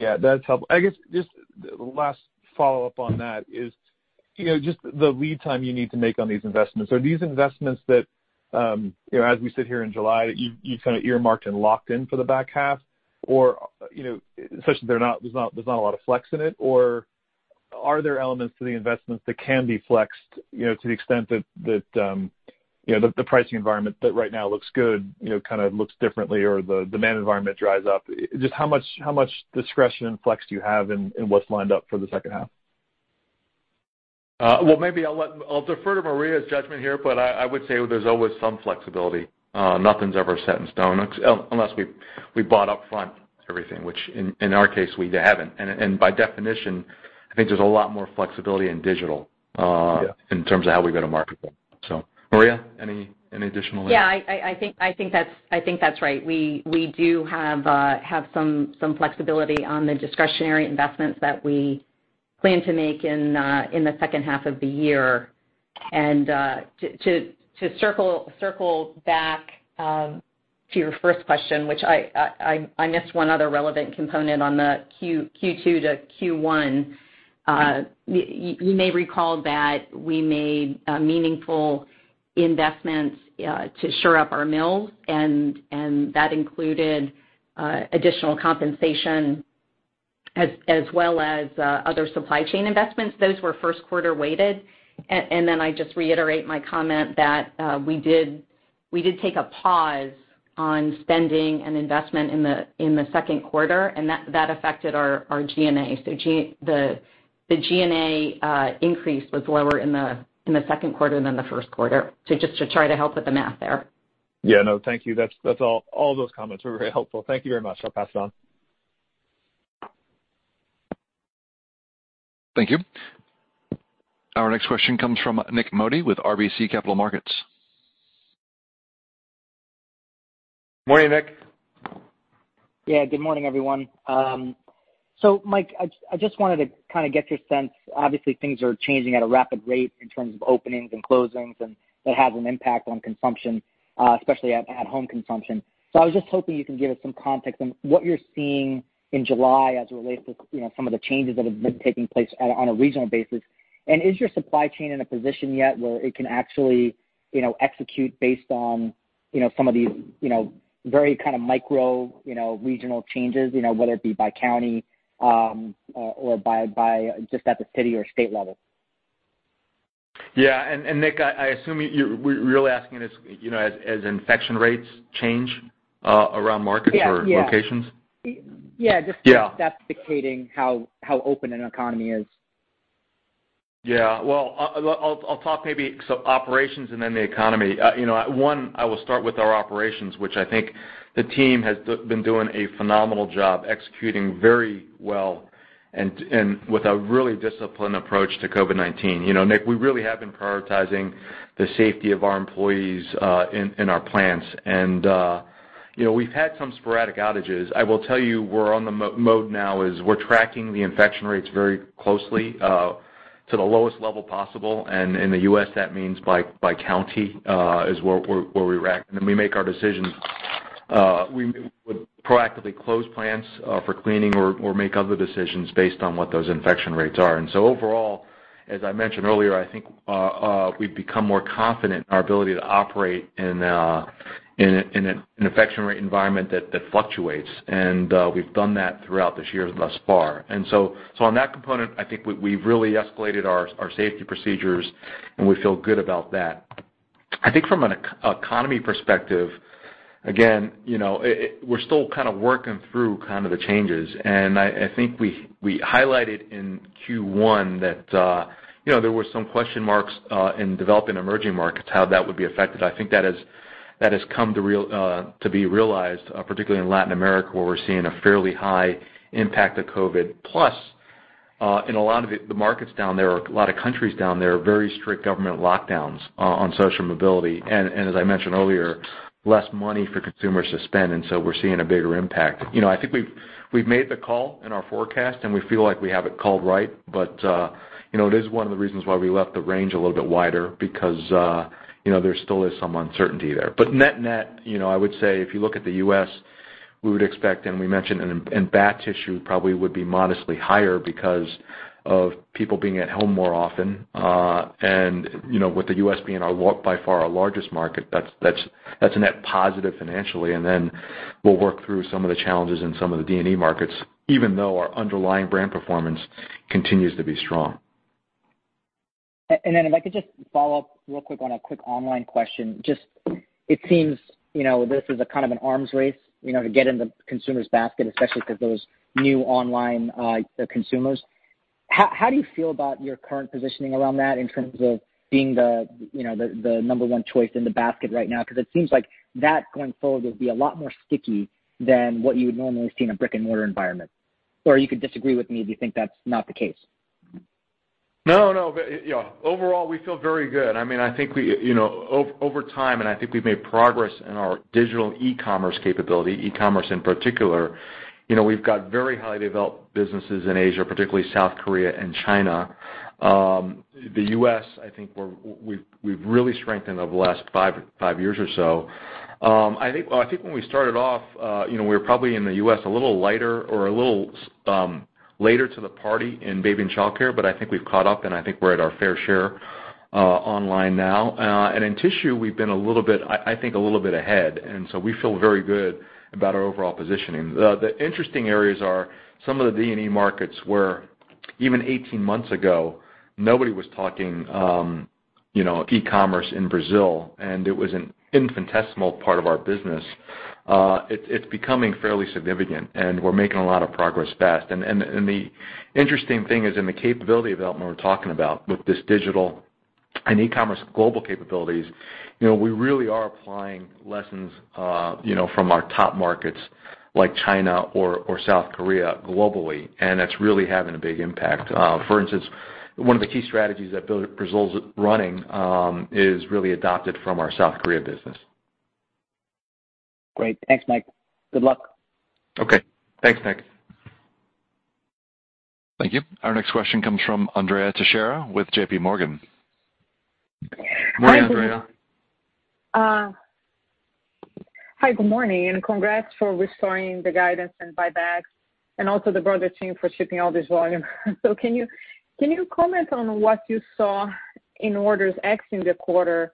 Yeah, that's helpful. I guess, just last follow-up on that is just the lead time you need to make on these investments. Are these investments that, as we sit here in July, you've kind of earmarked and locked in for the back half? Especially if there's not a lot of flex in it, or are there elements to the investments that can be flexed to the extent that the pricing environment that right now looks good kind of looks differently, or the demand environment dries up? Just how much discretion and flex do you have in what's lined up for the second half? Well, maybe I'll defer to Maria's judgment here. I would say there's always some flexibility. Nothing's ever set in stone unless we bought up front everything, which in our case, we haven't. By definition, I think there's a lot more flexibility in digital- Yeah. ..in terms of how we go to market. Maria, any additional- Yeah, I think that's right. We do have some flexibility on the discretionary investments that we plan to make in the second half of the year. To circle back to your first question, which I missed one other relevant component on the Q2 to Q1. You may recall that we made meaningful investments to shore up our mills, and that included additional compensation as well as other supply chain investments. Those were first quarter weighted. Then I just reiterate my comment that we did take a pause on spending and investment in the second quarter, and that affected our G&A. The G&A increase was lower in the second quarter than the first quarter. Just to try to help with the math there. No, thank you. All those comments were very helpful. Thank you very much. I'll pass it on. Thank you. Our next question comes from Nik Modi with RBC Capital Markets. Morning, Nik. Good morning, everyone. Mike, I just wanted to kind of get your sense. Obviously, things are changing at a rapid rate in terms of openings and closings, that has an impact on consumption, especially at home consumption. I was just hoping you can give us some context on what you're seeing in July as it relates to some of the changes that have been taking place on a regional basis. Is your supply chain in a position yet where it can actually execute based on some of these very kind of micro regional changes, whether it be by county or by just at the city or state level? Yeah. Nik, I assume you're really asking this as infection rates change around markets- Yeah. ...locations? Yeah, just- Yeah. ...that's dictating how open an economy is. Yeah. Well, I'll talk maybe operations and then the economy. One, I will start with our operations, which I think the team has been doing a phenomenal job executing very well and with a really disciplined approach to COVID-19. Nik, we really have been prioritizing the safety of our employees in our plants. We've had some sporadic outages. I will tell you, we're on the mode now is we're tracking the infection rates very closely to the lowest level possible. In the U.S., that means by county is where we track, and then we make our decisions. We would proactively close plants for cleaning or make other decisions based on what those infection rates are. Overall, as I mentioned earlier, I think we've become more confident in our ability to operate in an infection rate environment that fluctuates. We've done that throughout this year thus far. On that component, I think we've really escalated our safety procedures, and we feel good about that. I think from an economy perspective, again, we're still kind of working through the changes. I think we highlighted in Q1 that there were some question marks in developing emerging markets, how that would be affected. I think that has come to be realized, particularly in Latin America, where we're seeing a fairly high impact of COVID. Plus, in a lot of the markets down there, or a lot of countries down there, very strict government lockdowns on social mobility and, as I mentioned earlier, less money for consumers to spend, and so we're seeing a bigger impact. I think we've made the call in our forecast, and we feel like we have it called right. It is one of the reasons why we left the range a little bit wider because there still is some uncertainty there. Net-net, I would say if you look at the U.S., we would expect, and we mentioned, and bath tissue probably would be modestly higher because of people being at home more often. With the U.S. being by far our largest market, that's a net positive financially. Then we'll work through some of the challenges in some of the D&E markets, even though our underlying brand performance continues to be strong. If I could just follow up real quick on a quick online question. It seems, this is a kind of an arms race to get into consumers' basket, especially because those new online consumers. How do you feel about your current positioning around that in terms of being the number one choice in the basket right now? It seems like that going forward would be a lot more sticky than what you would normally see in a brick and mortar environment. You could disagree with me if you think that's not the case. No, overall we feel very good. I think over time, I think we've made progress in our digital e-commerce capability, e-commerce in particular. We've got very highly developed businesses in Asia, particularly South Korea and China. The U.S., I think we've really strengthened over the last five years or so. I think when we started off, we were probably in the U.S. a little lighter or a little later to the party in baby and Goodnites, I think we've caught up, I think we're at our fair share online now. In tissue, we've been, I think, a little bit ahead, we feel very good about our overall positioning. The interesting areas are some of the D&E markets where even 18 months ago, nobody was talking e-commerce in Brazil, it was an infinitesimal part of our business. It's becoming fairly significant, and we're making a lot of progress fast. The interesting thing is in the capability development we're talking about with this digital and e-commerce global capabilities, we really are applying lessons from our top markets like China or South Korea globally, and that's really having a big impact. For instance, one of the key strategies that Brazil's running is really adopted from our South Korea business. Great. Thanks, Mike. Good luck. Okay. Thanks, Nik. Thank you. Our next question comes from Andrea Teixeira with JPMorgan. Morning, Andrea. Hi, good morning, and congrats for restoring the guidance and buybacks, and also the broader team for shipping all this volume. Can you comment on what you saw in orders exiting the quarter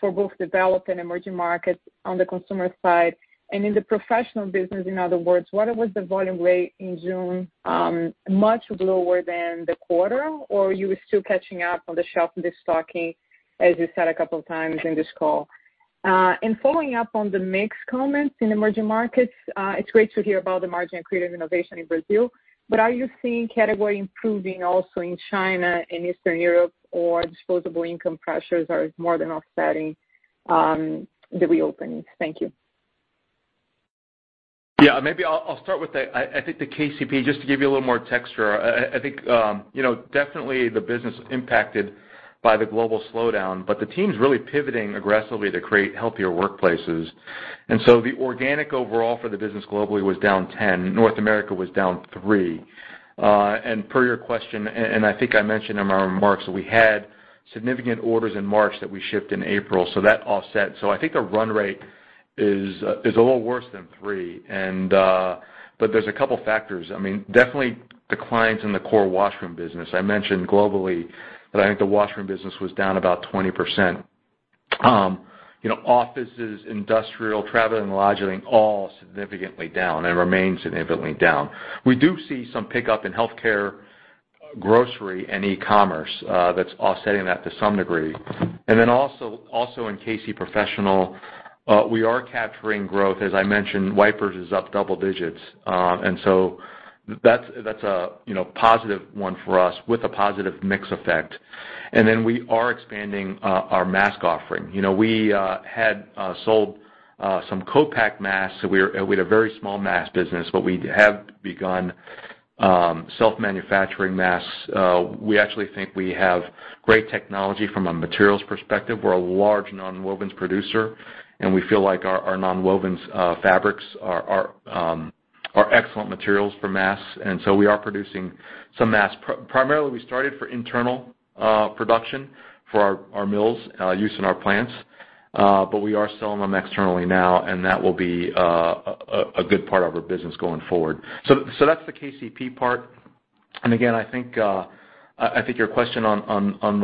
for both developed and emerging markets on the consumer side and in the professional business? In other words, what was the volume rate in June, much lower than the quarter? You were still catching up on the shelf destocking, as you said a couple times in this call? Following up on the mix comments in emerging markets, it's great to hear about the margin accreative innovation in Brazil, but are you seeing category improving also in China and Eastern Europe, or disposable income pressures are more than offsetting the reopening? Thank you. Maybe I'll start with, I think the KCP, just to give you a little more texture. I think definitely the business impacted by the global slowdown, but the team's really pivoting aggressively to create healthier workplaces. The organic overall for the business globally was down 10%. North America was down 3%. Per your question, and I think I mentioned in my remarks, we had significant orders in March that we shipped in April, so that offset. I think the run rate is a little worse than 3%. There's a couple factors. Definitely declines in the core washroom business. I mentioned globally that I think the washroom business was down about 20%. Offices, industrial, travel, and lodging, all significantly down and remain significantly down. We do see some pickup in healthcare, grocery, and e-commerce that's offsetting that to some degree. In K-C Professional, we are capturing growth. As I mentioned, wipers is up double digits. That's a positive one for us with a positive mix effect. We are expanding our mask offering. We had sold some co-pack masks. We had a very small mask business, but we have begun self-manufacturing masks. We actually think we have great technology from a materials perspective. We're a large nonwovens producer, and we feel like our nonwovens fabrics are excellent materials for masks, we are producing some masks. Primarily, we started for internal production for our mills, use in our plants, but we are selling them externally now, and that will be a good part of our business going forward. That's the KCP part. Again, I think your question on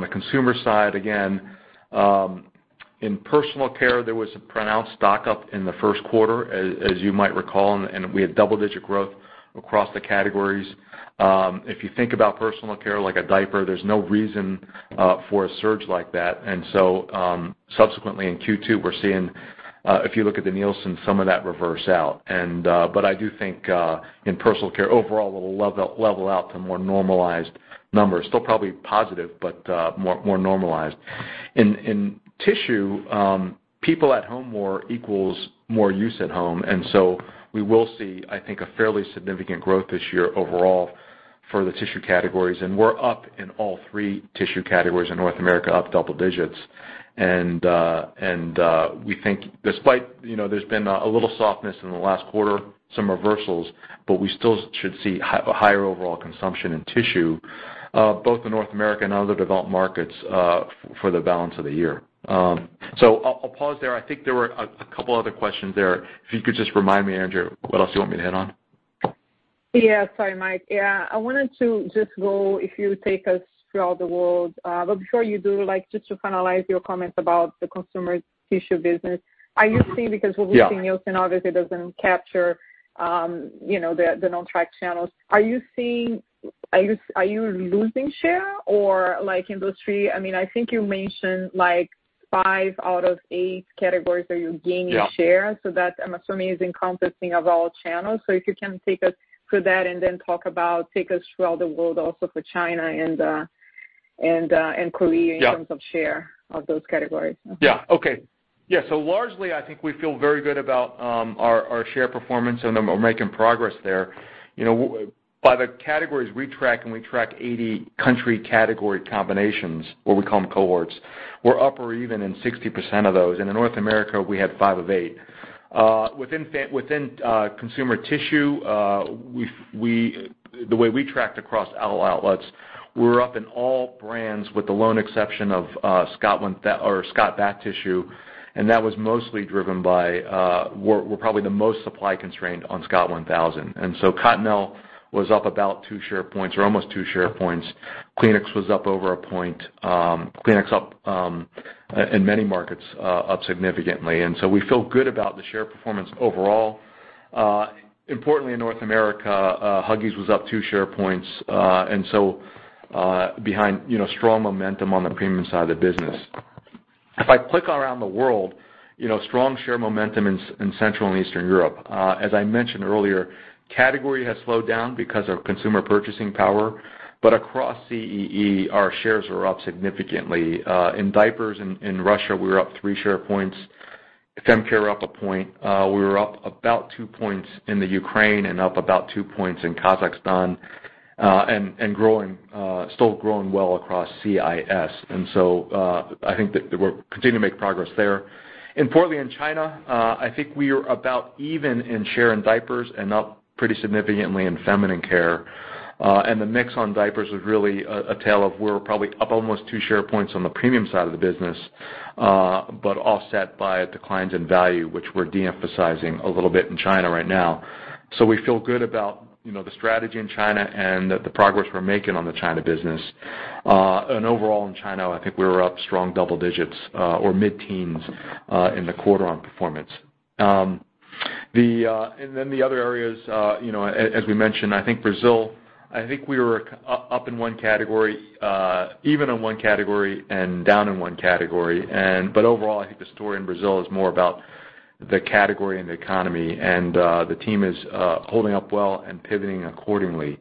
the consumer side, again, in Personal Care, there was a pronounced stock-up in the first quarter, as you might recall, and we had double-digit growth across the categories. If you think about Personal Care like a diaper, there's no reason for a surge like that. Subsequently in Q2, we're seeing, if you look at the Nielsen, some of that reverse out. I do think in Personal Care overall, it'll level out to more normalized numbers. Still probably positive, but more normalized. In Consumer Tissue, people at home more equals more use at home, and so we will see, I think, a fairly significant growth this year overall for the Consumer Tissue categories. We're up in all three Consumer Tissue categories in North America, up double digits. We think despite, there's been a little softness in the last quarter, some reversals, we still should see a higher overall consumption in tissue, both in North America and other developed markets for the balance of the year. I'll pause there. I think there were a couple other questions there. If you could just remind me, Andrea, what else you want me to hit on? Yeah, sorry, Mike. I wanted to just go, if you take us throughout the world, I'm sure you do, just to finalize your comments about the Consumer Tissue business. Are you seeing, because what we see in Nielsen obviously doesn't capture the non-track channels. Are you losing share or like industry? I think you mentioned five out of eight categories that you're gaining share. Yeah. That, I'm assuming, is encompassing of all channels. If you can take us through that and then take us throughout the world also for China and Korea- Yeah. ...in terms of share of those categories. Yeah. Okay. Yeah. Largely, I think we feel very good about our share performance, and we're making progress there. By the categories we track, and we track 80 country category combinations, or we call them cohorts, we're up or even in 60% of those. In North America, we had five of eight. Within Consumer Tissue, the way we tracked across all outlets, we're up in all brands with the lone exception of Scott Bath Tissue. That was mostly driven by, we're probably the most supply-constrained on Scott 1000. Cottonelle was up about two share points or almost two share points. Kleenex was up over a point. Kleenex up in many markets, up significantly. We feel good about the share performance overall. Importantly, in North America, Huggies was up two share points, behind strong momentum on the premium side of the business. If I click around the world, strong share momentum in Central and Eastern Europe. As I mentioned earlier, category has slowed down because of consumer purchasing power. Across CEE, our shares are up significantly. In diapers in Russia, we were up three share points. Fem care up a point. We were up about two points in the Ukraine and up about two points in Kazakhstan. Still growing well across CIS. I think that we're continuing to make progress there. Importantly in China, I think we are about even in share in diapers and up pretty significantly in feminine care. The mix on diapers was really a tale of we're probably up almost two share points on the premium side of the business, but offset by declines in value, which we're de-emphasizing a little bit in China right now. We feel good about the strategy in China and the progress we're making on the China business. Overall in China, I think we were up strong double digits, or mid-teens, in the quarter on performance. The other areas, as we mentioned, I think Brazil, I think we were up in one category, even in one category, and down in one category. Overall, I think the story in Brazil is more about the category and the economy, and the team is holding up well and pivoting accordingly.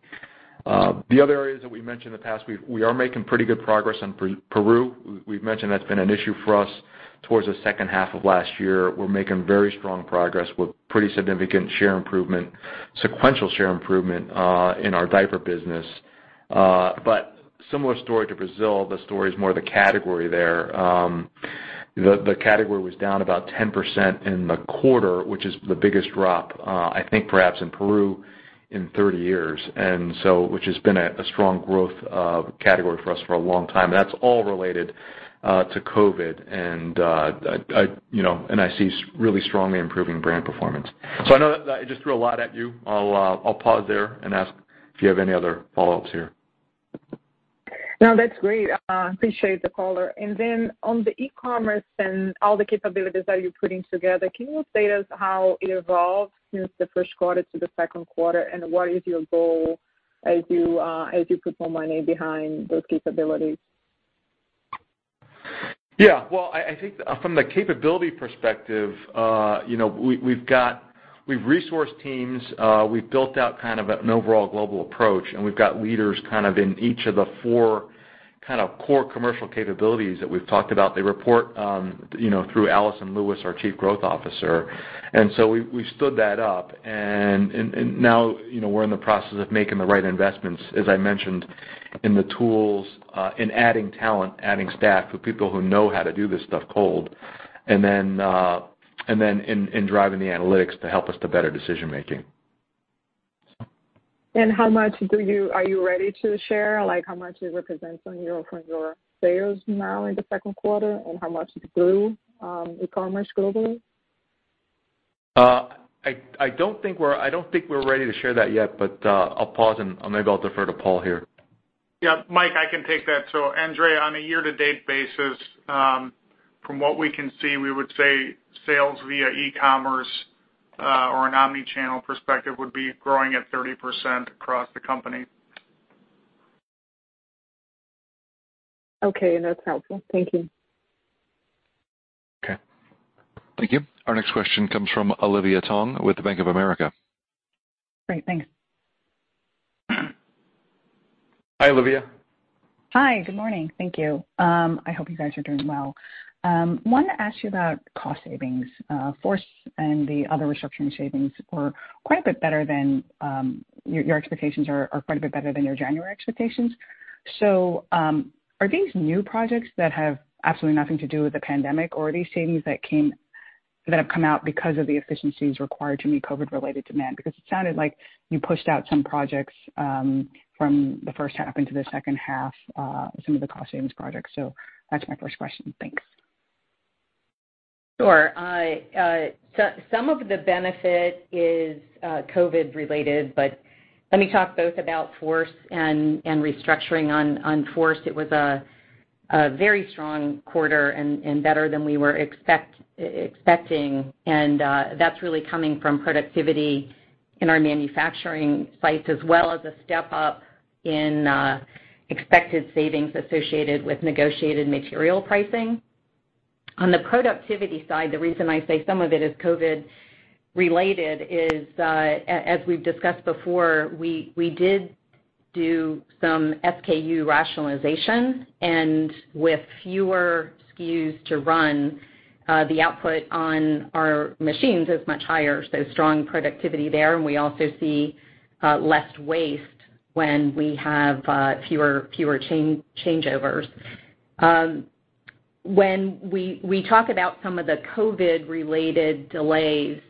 The other areas that we mentioned in the past, we are making pretty good progress in Peru. We've mentioned that's been an issue for us towards the second half of last year. We're making very strong progress with pretty significant share improvement, sequential share improvement, in our diaper business. Similar story to Brazil, the story is more the category there. The category was down about 10% in the quarter, which is the biggest drop, I think, perhaps in Peru in 30 years, which has been a strong growth category for us for a long time. That's all related to COVID. I see really strongly improving brand performance. I know that I just threw a lot at you. I'll pause there and ask if you have any other follow-ups here. No, that's great. Appreciate the color. On the e-commerce and all the capabilities that you're putting together, can you update us how it evolved since the first quarter to the second quarter, and what is your goal as you put more money behind those capabilities? Well, I think from the capability perspective, we've resourced teams, we've built out kind of an overall global approach. We've got leaders in each of the four core commercial capabilities that we've talked about. They report through Alison Lewis, our Chief Growth Officer. We stood that up. Now we're in the process of making the right investments, as I mentioned, in the tools, in adding talent, adding staff with people who know how to do this stuff cold. In driving the analytics to help us to better decision-making. How much are you ready to share? Like how much it represents from your sales now in the second quarter, and how much it grew, e-commerce globally? I don't think we're ready to share that yet, but I'll pause, and maybe I'll defer to Paul here. Yeah, Mike, I can take that. Andrea, on a year-to-date basis, from what we can see, we would say sales via e-commerce, or an omni-channel perspective, would be growing at 30% across the company. Okay, that's helpful. Thank you. Okay. Thank you. Our next question comes from Olivia Tong with Bank of America. Great. Thanks. Hi, Olivia. Hi. Good morning. Thank you. I hope you guys are doing well. Wanted to ask you about cost savings. FORCE and the other restructuring savings were quite a bit better than your January expectations. Are these new projects that have absolutely nothing to do with the pandemic, or are these savings that have come out because of the efficiencies required to meet COVID-related demand? It sounded like you pushed out some projects from the first half into the second half, some of the cost savings projects. That's my first question. Thanks. Sure. Some of the benefit is COVID related, but let me talk both about FORCE and restructuring. On FORCE, it was a very strong quarter and better than we were expecting, and that's really coming from productivity in our manufacturing sites, as well as a step-up in expected savings associated with negotiated material pricing. On the productivity side, the reason I say some of it is COVID related is, as we've discussed before, we did do some SKU rationalization, and with fewer SKUs to run, the output on our machines is much higher. Strong productivity there. We also see less waste when we have fewer changeovers. When we talk about some of the COVID-related delays,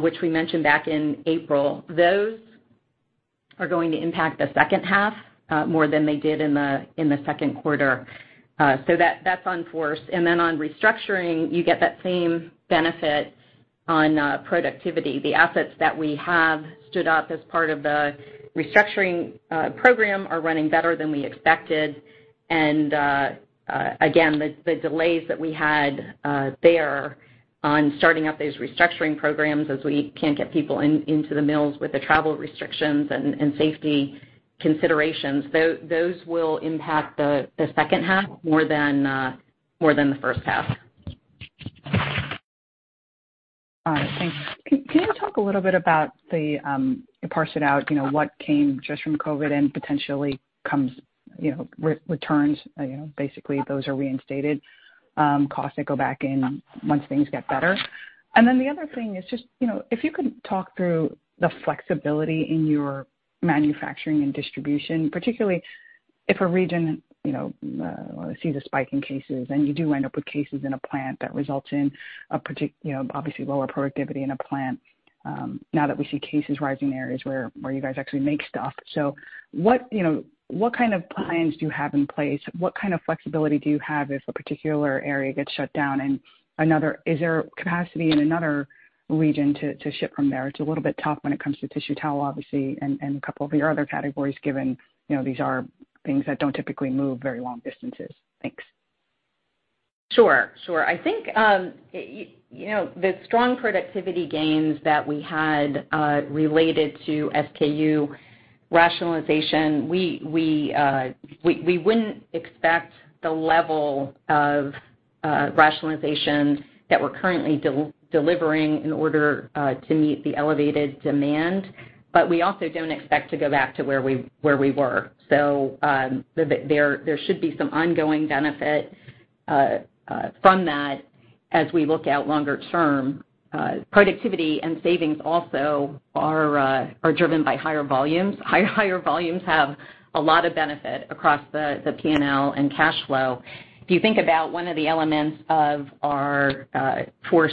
which we mentioned back in April, those are going to impact the second half more than they did in the second quarter. That's on FORCE. On restructuring, you get that same benefit on productivity. The assets that we have stood up as part of the Restructuring Program are running better than we expected. Again, the delays that we had there on starting up these Restructuring Programs, as we can't get people into the mills with the travel restrictions and safety considerations, those will impact the second half more than the first half. All right. Thanks. Can you talk a little bit about parse it out, what came just from COVID and potentially comes, returns, basically those are reinstated, costs that go back in once things get better. The other thing is just, if you could talk through the flexibility in your manufacturing and distribution, particularly if a region sees a spike in cases and you do end up with cases in a plant that results in obviously lower productivity in a plant, now that we see cases rising in areas where you guys actually make stuff. What kind of plans do you have in place? What kind of flexibility do you have if a particular area gets shut down and Is there capacity in another region to ship from there? It's a little bit tough when it comes to tissue towel, obviously, and a couple of your other categories, given these are things that don't typically move very long distances. Thanks. Sure. I think the strong productivity gains that we had related to SKU rationalization, we wouldn't expect the level of rationalization that we're currently delivering in order to meet the elevated demand. We also don't expect to go back to where we were. There should be some ongoing benefit from that as we look out longer term. Productivity and savings also are driven by higher volumes. Higher volumes have a lot of benefit across the P&L and cash flow. If you think about one of the elements of our FORCE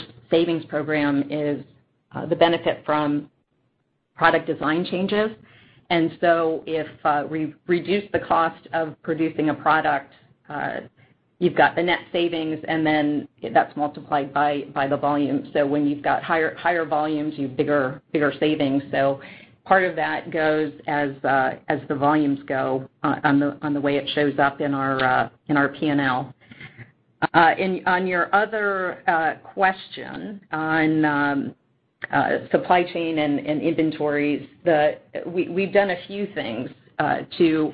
Program is the benefit from product design changes. If we reduce the cost of producing a product, you've got the net savings, and then that's multiplied by the volume. When you've got higher volumes, you've bigger savings. Part of that goes as the volumes go on the way it shows up in our P&L. On your other question on supply chain and inventories, we've done a few things to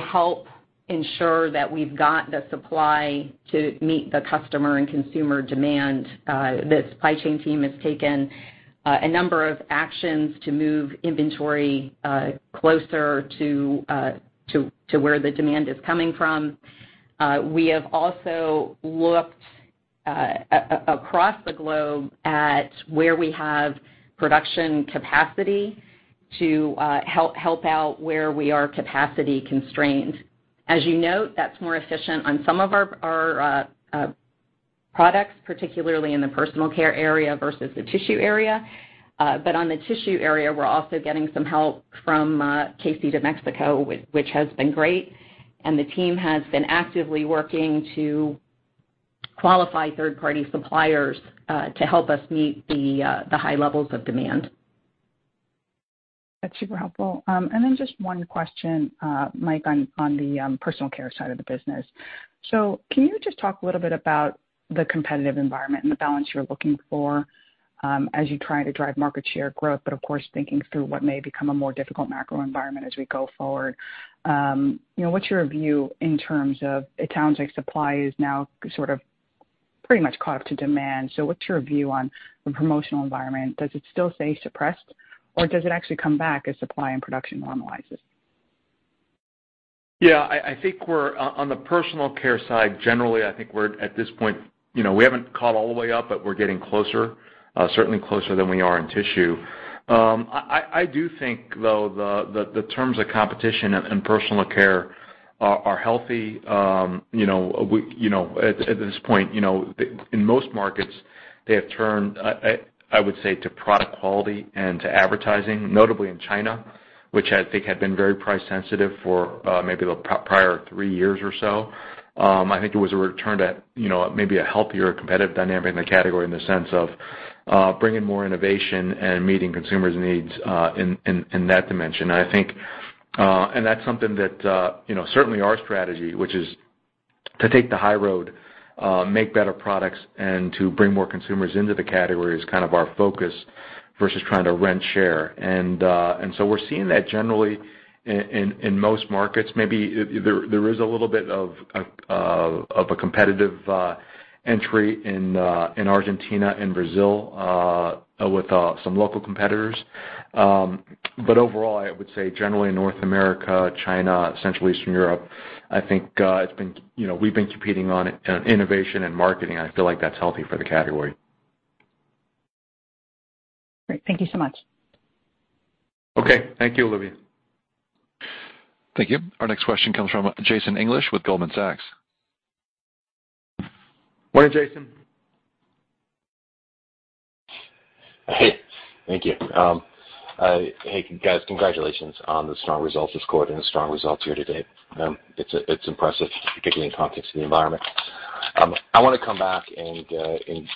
help ensure that we've got the supply to meet the customer and consumer demand. The supply chain team has taken a number of actions to move inventory closer to where the demand is coming from. We have also looked across the globe at where we have production capacity to help out where we are capacity constrained. As you note, that's more efficient on some of our products, particularly in the Personal Care area versus the Consumer Tissue area. On the Consumer Tissue area, we're also getting some help from KC de México, which has been great, and the team has been actively working to qualify third-party suppliers to help us meet the high levels of demand. That's super helpful. Then just one question, Mike, on the Personal Care side of the business. Can you just talk a little bit about the competitive environment and the balance you're looking for as you try to drive market share growth, but of course, thinking through what may become a more difficult macro environment as we go forward. What's your view in terms of, it sounds like supply is now sort of pretty much caught up to demand. What's your view on the promotional environment? Does it still stay suppressed, or does it actually come back as supply and production normalizes? Yeah, I think we're on the Personal Care side, generally, I think we're at this point, we haven't caught all the way up, but we're getting closer, certainly closer than we are in tissue. I do think, though, the terms of competition in Personal Care are healthy. At this point, in most markets, they have turned, I would say, to product quality and to advertising, notably in China, which I think had been very price sensitive for maybe the prior three years or so. I think it was a return to maybe a healthier competitive dynamic in the category in the sense of bringing more innovation and meeting consumers' needs in that dimension. That's something that certainly our strategy, which is to take the high road, make better products, and to bring more consumers into the category is kind of our focus versus trying to rent share. We're seeing that generally in most markets. Maybe there is a little bit of a competitive entry in Argentina and Brazil with some local competitors. Overall, I would say generally in North America, China, Central Eastern Europe, I think we've been competing on innovation and marketing. I feel like that's healthy for the category. Great. Thank you so much. Okay. Thank you, Olivia. Thank you. Our next question comes from Jason English with Goldman Sachs. Morning, Jason. Hey. Thank you. Hey, guys, congratulations on the strong results this quarter and the strong results here today. It's impressive, particularly in context of the environment. I want to come back and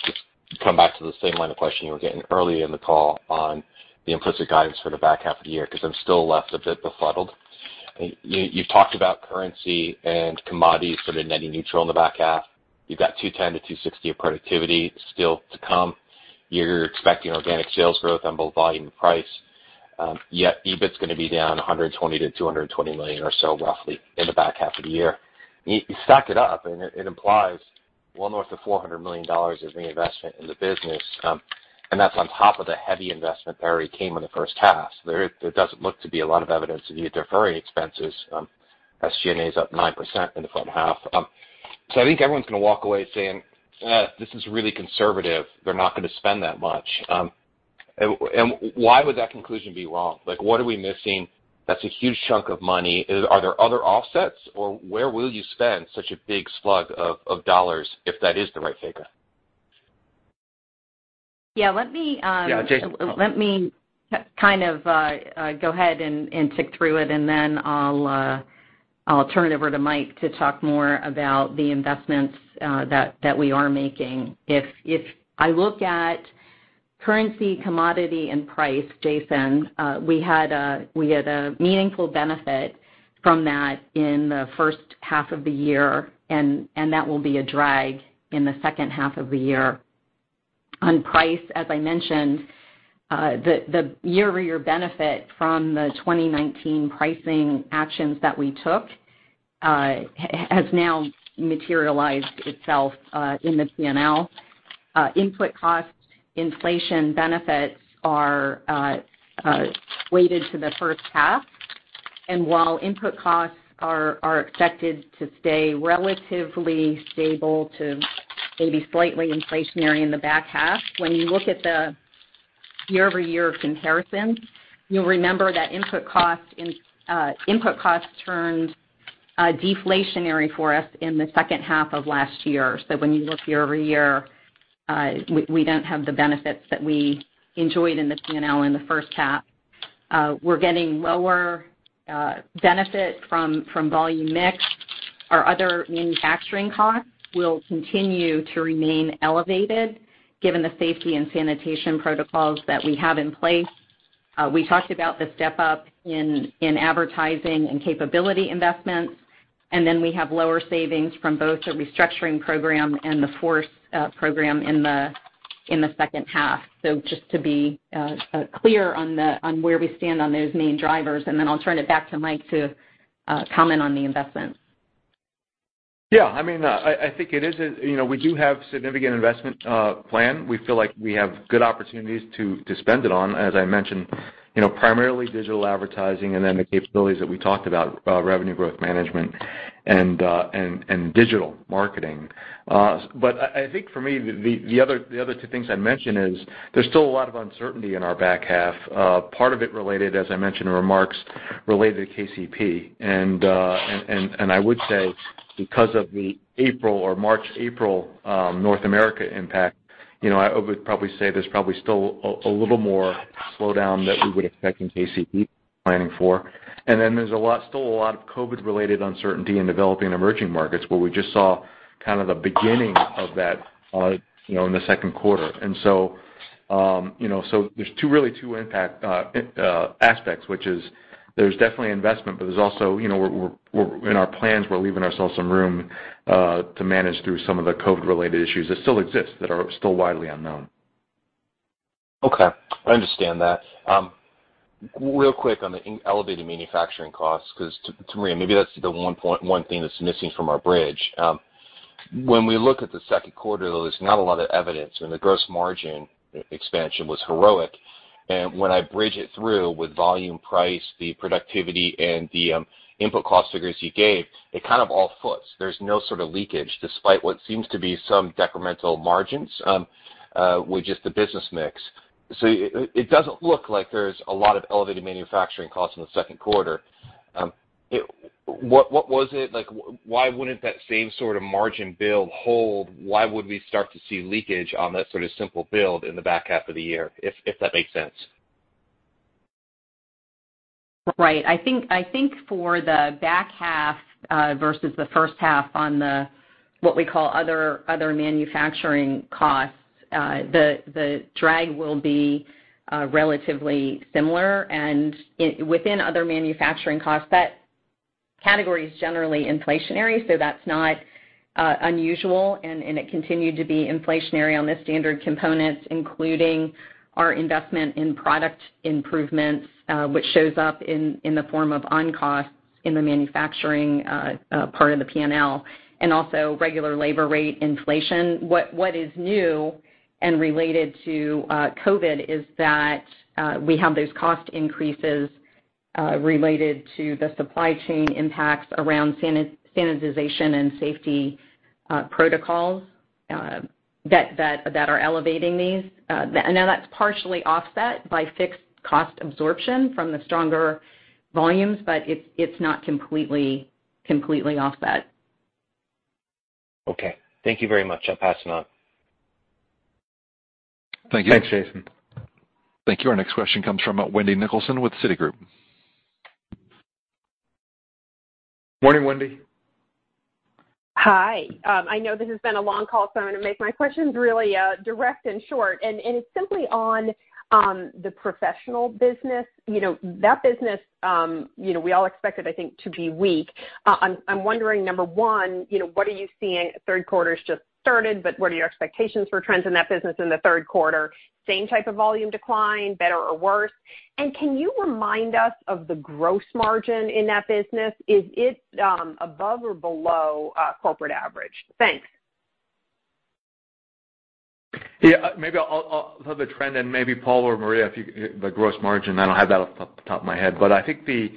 just come back to the same line of questioning you were getting early in the call on the implicit guidance for the back half of the year, because I'm still left a bit befuddled. You talked about currency and commodities sort of net neutral in the back half. You've got $210 million-$260 million of productivity still to come. You're expecting organic sales growth on both volume and price. EBIT's going to be down $120 million-$220 million or so roughly in the back half of the year. You stack it up, it implies well north of $400 million is being investment in the business, and that's on top of the heavy investment that already came in the first half. There doesn't look to be a lot of evidence of you deferring expenses. SG&A is up 9% in the front half. I think everyone's going to walk away saying, "Eh, this is really conservative." They're not going to spend that much. Why would that conclusion be wrong? What are we missing? That's a huge chunk of money. Are there other offsets, or where will you spend such a big slug of dollars if that is the right figure? Yeah. Yeah, Jason. Let me kind of go ahead and tick through it. Then I'll turn it over to Mike to talk more about the investments that we are making. If I look at currency, commodity, and price, Jason, we had a meaningful benefit from that in the first half of the year. That will be a drag in the second half of the year. On price, as I mentioned, the year-over-year benefit from the 2019 pricing actions that we took, has now materialized itself in the P&L. Input costs, inflation benefits are weighted to the first half. While input costs are expected to stay relatively stable to maybe slightly inflationary in the back half, when you look at the year-over-year comparison, you'll remember that input costs turned deflationary for us in the second half of last year. When you look year-over-year, we don't have the benefits that we enjoyed in the P&L in the first half. We're getting lower benefit from volume mix. Our other manufacturing costs will continue to remain elevated given the safety and sanitation protocols that we have in place. We talked about the step-up in advertising and capability investments, we have lower savings from both the Restructuring Program and the FORCE Program in the second half. Just to be clear on where we stand on those main drivers, I'll turn it back to Mike to comment on the investments. I think we do have significant investment plan. We feel like we have good opportunities to spend it on, as I mentioned, primarily digital advertising and then the capabilities that we talked about, revenue growth management and digital marketing. I think for me, the other two things I'd mention is there's still a lot of uncertainty in our back half. Part of it related, as I mentioned in remarks, related to KCP. I would say because of the March, April, North America impact, I would probably say there's probably still a little more slowdown that we would expect in KCP planning for. There's still a lot of COVID-related uncertainty in developing emerging markets, where we just saw kind of the beginning of that in the second quarter. There's really two impact aspects, which is there's definitely investment, but in our plans, we're leaving ourselves some room to manage through some of the COVID-related issues that still exist, that are still widely unknown. Okay. I understand that. Real quick on the elevated manufacturing costs, because to Maria, maybe that's the one thing that's missing from our bridge. When we look at the second quarter, there was not a lot of evidence when the gross margin expansion was heroic. When I bridge it through with volume price, the productivity, and the input cost figures you gave, it kind of all foots. There's no sort of leakage, despite what seems to be some decremental margins with just the business mix. It doesn't look like there's a lot of elevated manufacturing costs in the second quarter. Why wouldn't that same sort of margin build hold? Why would we start to see leakage on that sort of simple build in the back half of the year, if that makes sense? Right. I think for the back half versus the first half on the what we call other manufacturing costs, the drag will be relatively similar. Within other manufacturing costs, that category is generally inflationary, so that's not unusual. It continued to be inflationary on the standard components, including our investment in product improvements, which shows up in the form of on-costs in the manufacturing part of the P&L, and also regular labor rate inflation. What is new and related to COVID is that we have those cost increases related to the supply chain impacts around sanitization and safety protocols that are elevating these. Now that's partially offset by fixed cost absorption from the stronger volumes, but it's not completely offset. Okay. Thank you very much. I'll pass it on. Thanks, Jason. Thank you. Our next question comes from Wendy Nicholson with Citigroup. Morning, Wendy. Hi. I know this has been a long call. I'm going to make my questions really direct and short. It's simply on the Professional Business. That business we all expected, I think, to be weak. I'm wondering, number one, what are you seeing? Third quarter's just started. What are your expectations for trends in that business in the third quarter? Same type of volume decline, better or worse? Can you remind us of the gross margin in that business? Is it above or below corporate average? Thanks. Maybe I'll cover the trend and maybe Paul or Maria, the gross margin, I don't have that off the top of my head. I think the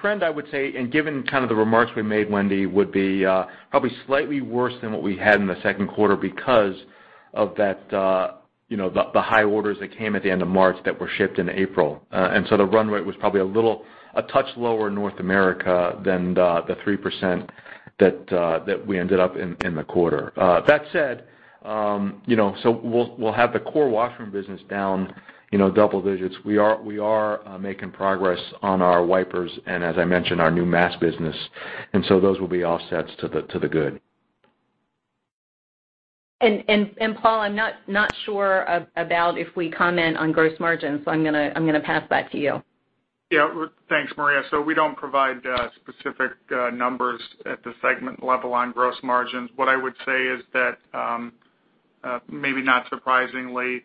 trend, I would say, and given kind of the remarks we made, Wendy, would be probably slightly worse than what we had in the second quarter because of the high orders that came at the end of March that were shipped in April. The run rate was probably a touch lower in North America than the 3% that we ended up in the quarter. That said, we'll have the core washroom business down double digits. We are making progress on our wipers and, as I mentioned, our new mask business, and so those will be offsets to the good. Paul, I'm not sure about if we comment on gross margins, so I'm going to pass that to you. Yeah. Thanks, Maria. We don't provide specific numbers at the segment level on gross margins. What I would say is that, maybe not surprisingly,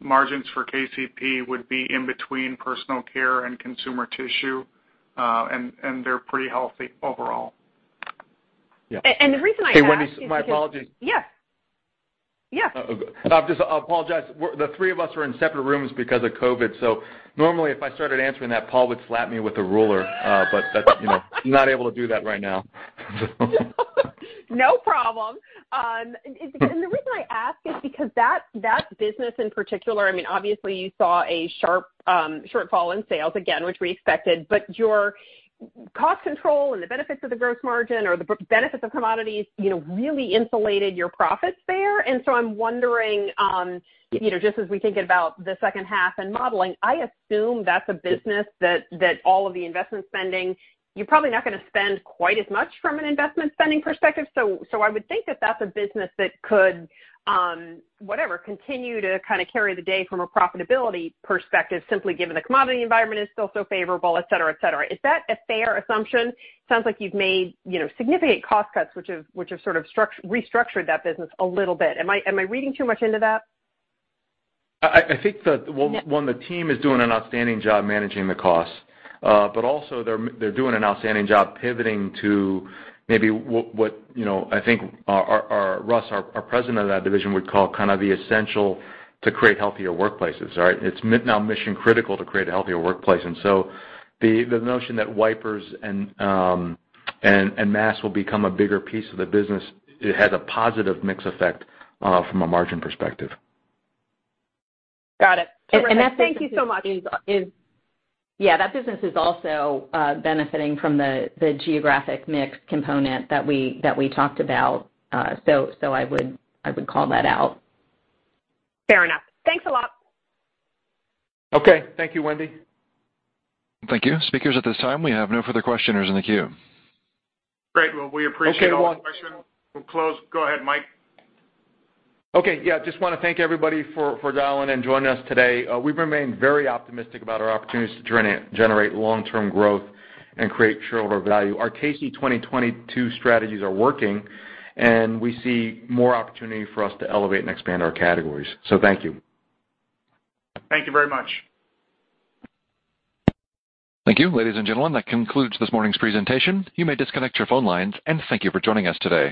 margins for KCP would be in between Personal Care and Consumer Tissue, and they're pretty healthy overall. Yeah. The reason I ask is because- Hey, Wendy, my apologies. Yes. I apologize. The three of us are in separate rooms because of COVID, so normally if I started answering that, Paul would slap me with a ruler, but he's not able to do that right now. No problem. The reason I ask is because that business in particular, obviously you saw a sharp shortfall in sales, again, which we expected, but your cost control and the benefits of the gross margin or the benefits of commodities really insulated your profits there. I'm wondering, just as we think about the second half and modeling, I assume that's a business that all of the investment spending, you're probably not going to spend quite as much from an investment spending perspective. I would think that that's a business that could continue to kind of carry the day from a profitability perspective, simply given the commodity environment is still so favorable, et cetera. Is that a fair assumption? Sounds like you've made significant cost cuts, which have sort of restructured that business a little bit. Am I reading too much into that? I think that, one, the team is doing an outstanding job managing the costs. Also, they're doing an outstanding job pivoting to maybe what I think Russ, our President of that division, would call kind of the essential to create healthier workplaces, right? It's now mission-critical to create a healthier workplace. The notion that wipers and masks will become a bigger piece of the business, it has a positive mix effect from a margin perspective. Got it. Terrific. Thank you so much. That business is also benefiting from the geographic mix component that we talked about. I would call that out. Fair enough. Thanks a lot. Okay. Thank you, Wendy. Thank you. Speakers, at this time, we have no further questioners in the queue. Great. Well, we appreciate all the questions. Go ahead, Mike. Okay. Yeah, just want to thank everybody for dialing and joining us today. We remain very optimistic about our opportunities to generate long-term growth and create shareholder value. Our KC 2022 strategies are working. We see more opportunity for us to elevate and expand our categories. Thank you. Thank you very much. Thank you. Ladies and gentlemen, that concludes this morning's presentation. You may disconnect your phone lines, and thank you for joining us today.